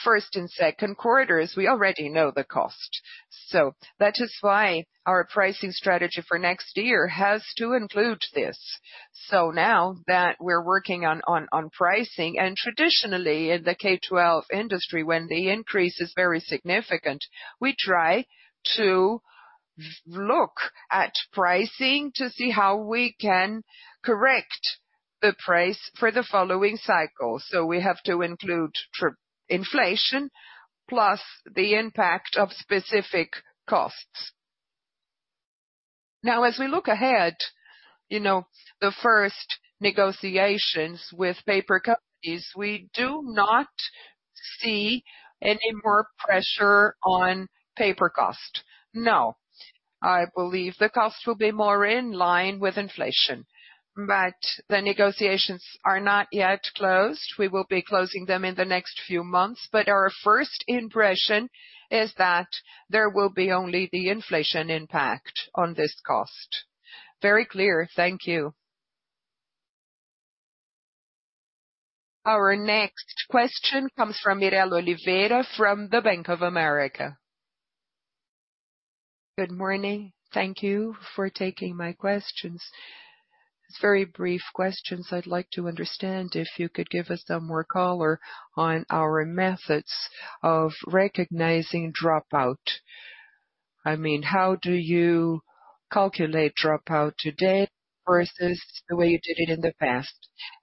First and second quarters, we already know the cost. That is why our pricing strategy for next year has to include this. Now that we're working on pricing, and traditionally in the K-12 industry, when the increase is very significant, we try to look at pricing to see how we can correct the price for the following cycle. We have to include inflation, plus the impact of specific costs. Now, as we look ahead, you know, the first negotiations with paper cup is we do not see any more pressure on paper cost. No, I believe the cost will be more in line with inflation, but the negotiations are not yet closed. We will be closing them in the next few months. Our first impression is that there will be only the inflation impact on this cost. Very clear. Thank you. Our next question comes from Mirela Oliveira, from the Bank of America. Good morning. Thank you for taking my questions. Very brief questions. I'd like to understand if you could give us some more color on our methods of recognizing dropout. I mean, how do you calculate dropout today versus the way you did it in the past?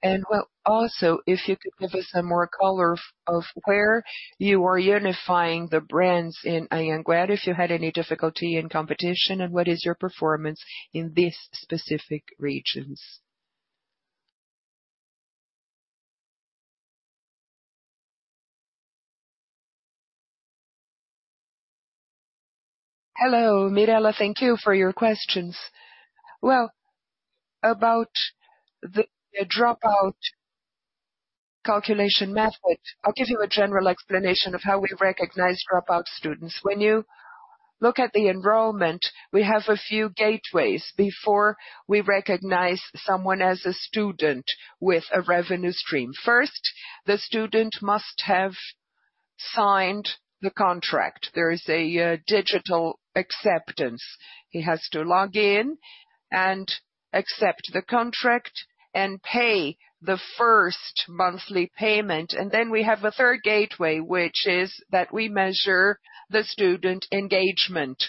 Well, also, if you could give us some more color of where you are unifying the brands in Anhembi Morumbi, if you had any difficulty in competition, and what is your performance in these specific regions? Hello, Mirela. Thank you for your questions. Well, about the, the dropout calculation method, I'll give you a general explanation of how we recognize dropout students. When you look at the enrollment, we have a few gateways before we recognize someone as a student with a revenue stream. First, the student must have signed the contract. There is a digital acceptance. He has to log in and accept the contract and pay the first monthly payment. Then we have a third gateway, which is that we measure the student engagement.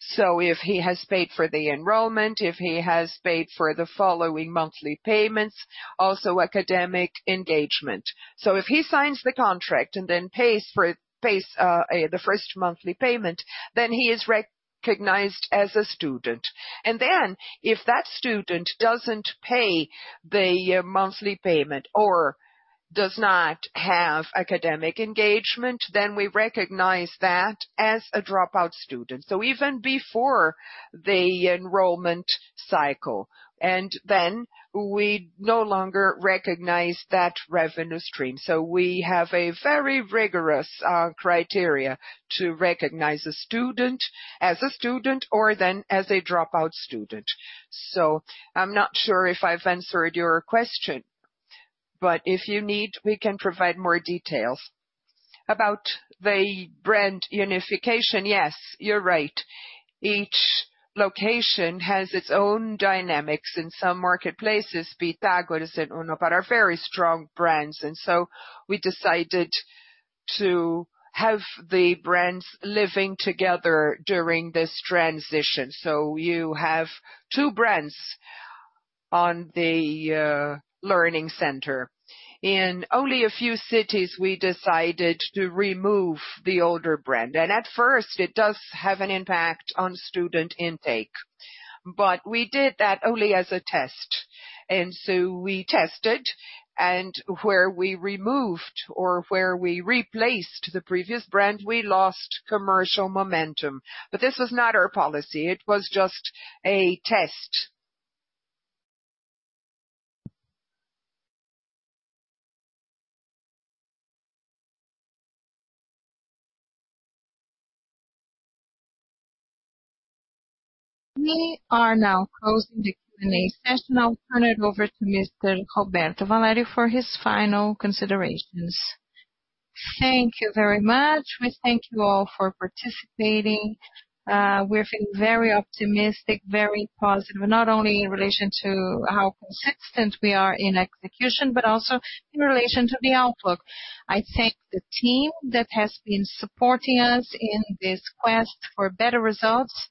So if he has paid for the enrollment, if he has paid for the following monthly payments, also academic engagement. So if he signs the contract and then pays for it, pays the first monthly payment, then he is recognized as a student. If that student doesn't pay the monthly payment or does not have academic engagement, then we recognize that as a dropout student. Even before the enrollment cycle, and then we no longer recognize that revenue stream. We have a very rigorous criteria to recognize a student as a student or then as a dropout student. I'm not sure if I've answered your question, but if you need, we can provide more details. About the brand unification, yes, you're right. Each location has its own dynamics. In some marketplaces, Pitágoras and UNO, but are very strong brands, and so we decided to have the brands living together during this transition. You have two brands on the learning center. In only a few cities, we decided to remove the older brand. At first, it does have an impact on student intake, but we did that only as a test. We tested, and where we removed or where we replaced the previous brand, we lost commercial momentum. This was not our policy. It was just a test. We are now closing the Q&A session. Now I'll turn it over to Mr. Roberto Valerio for his final considerations. Thank you very much. We thank you all for participating. We're feeling very optimistic, very positive, not only in relation to how consistent we are in execution, but also in relation to the outlook. I thank the team that has been supporting us in this quest for better results.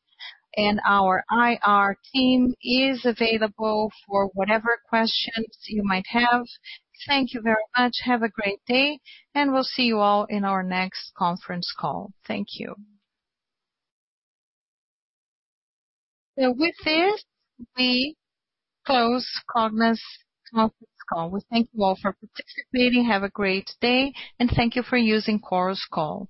Our IR team is available for whatever questions you might have. Thank you very much. Have a great day. We'll see you all in our next conference call. Thank you. With this, we close Cogna's conference call. We thank you all for participating. Have a great day, and thank you for using Chorus Call.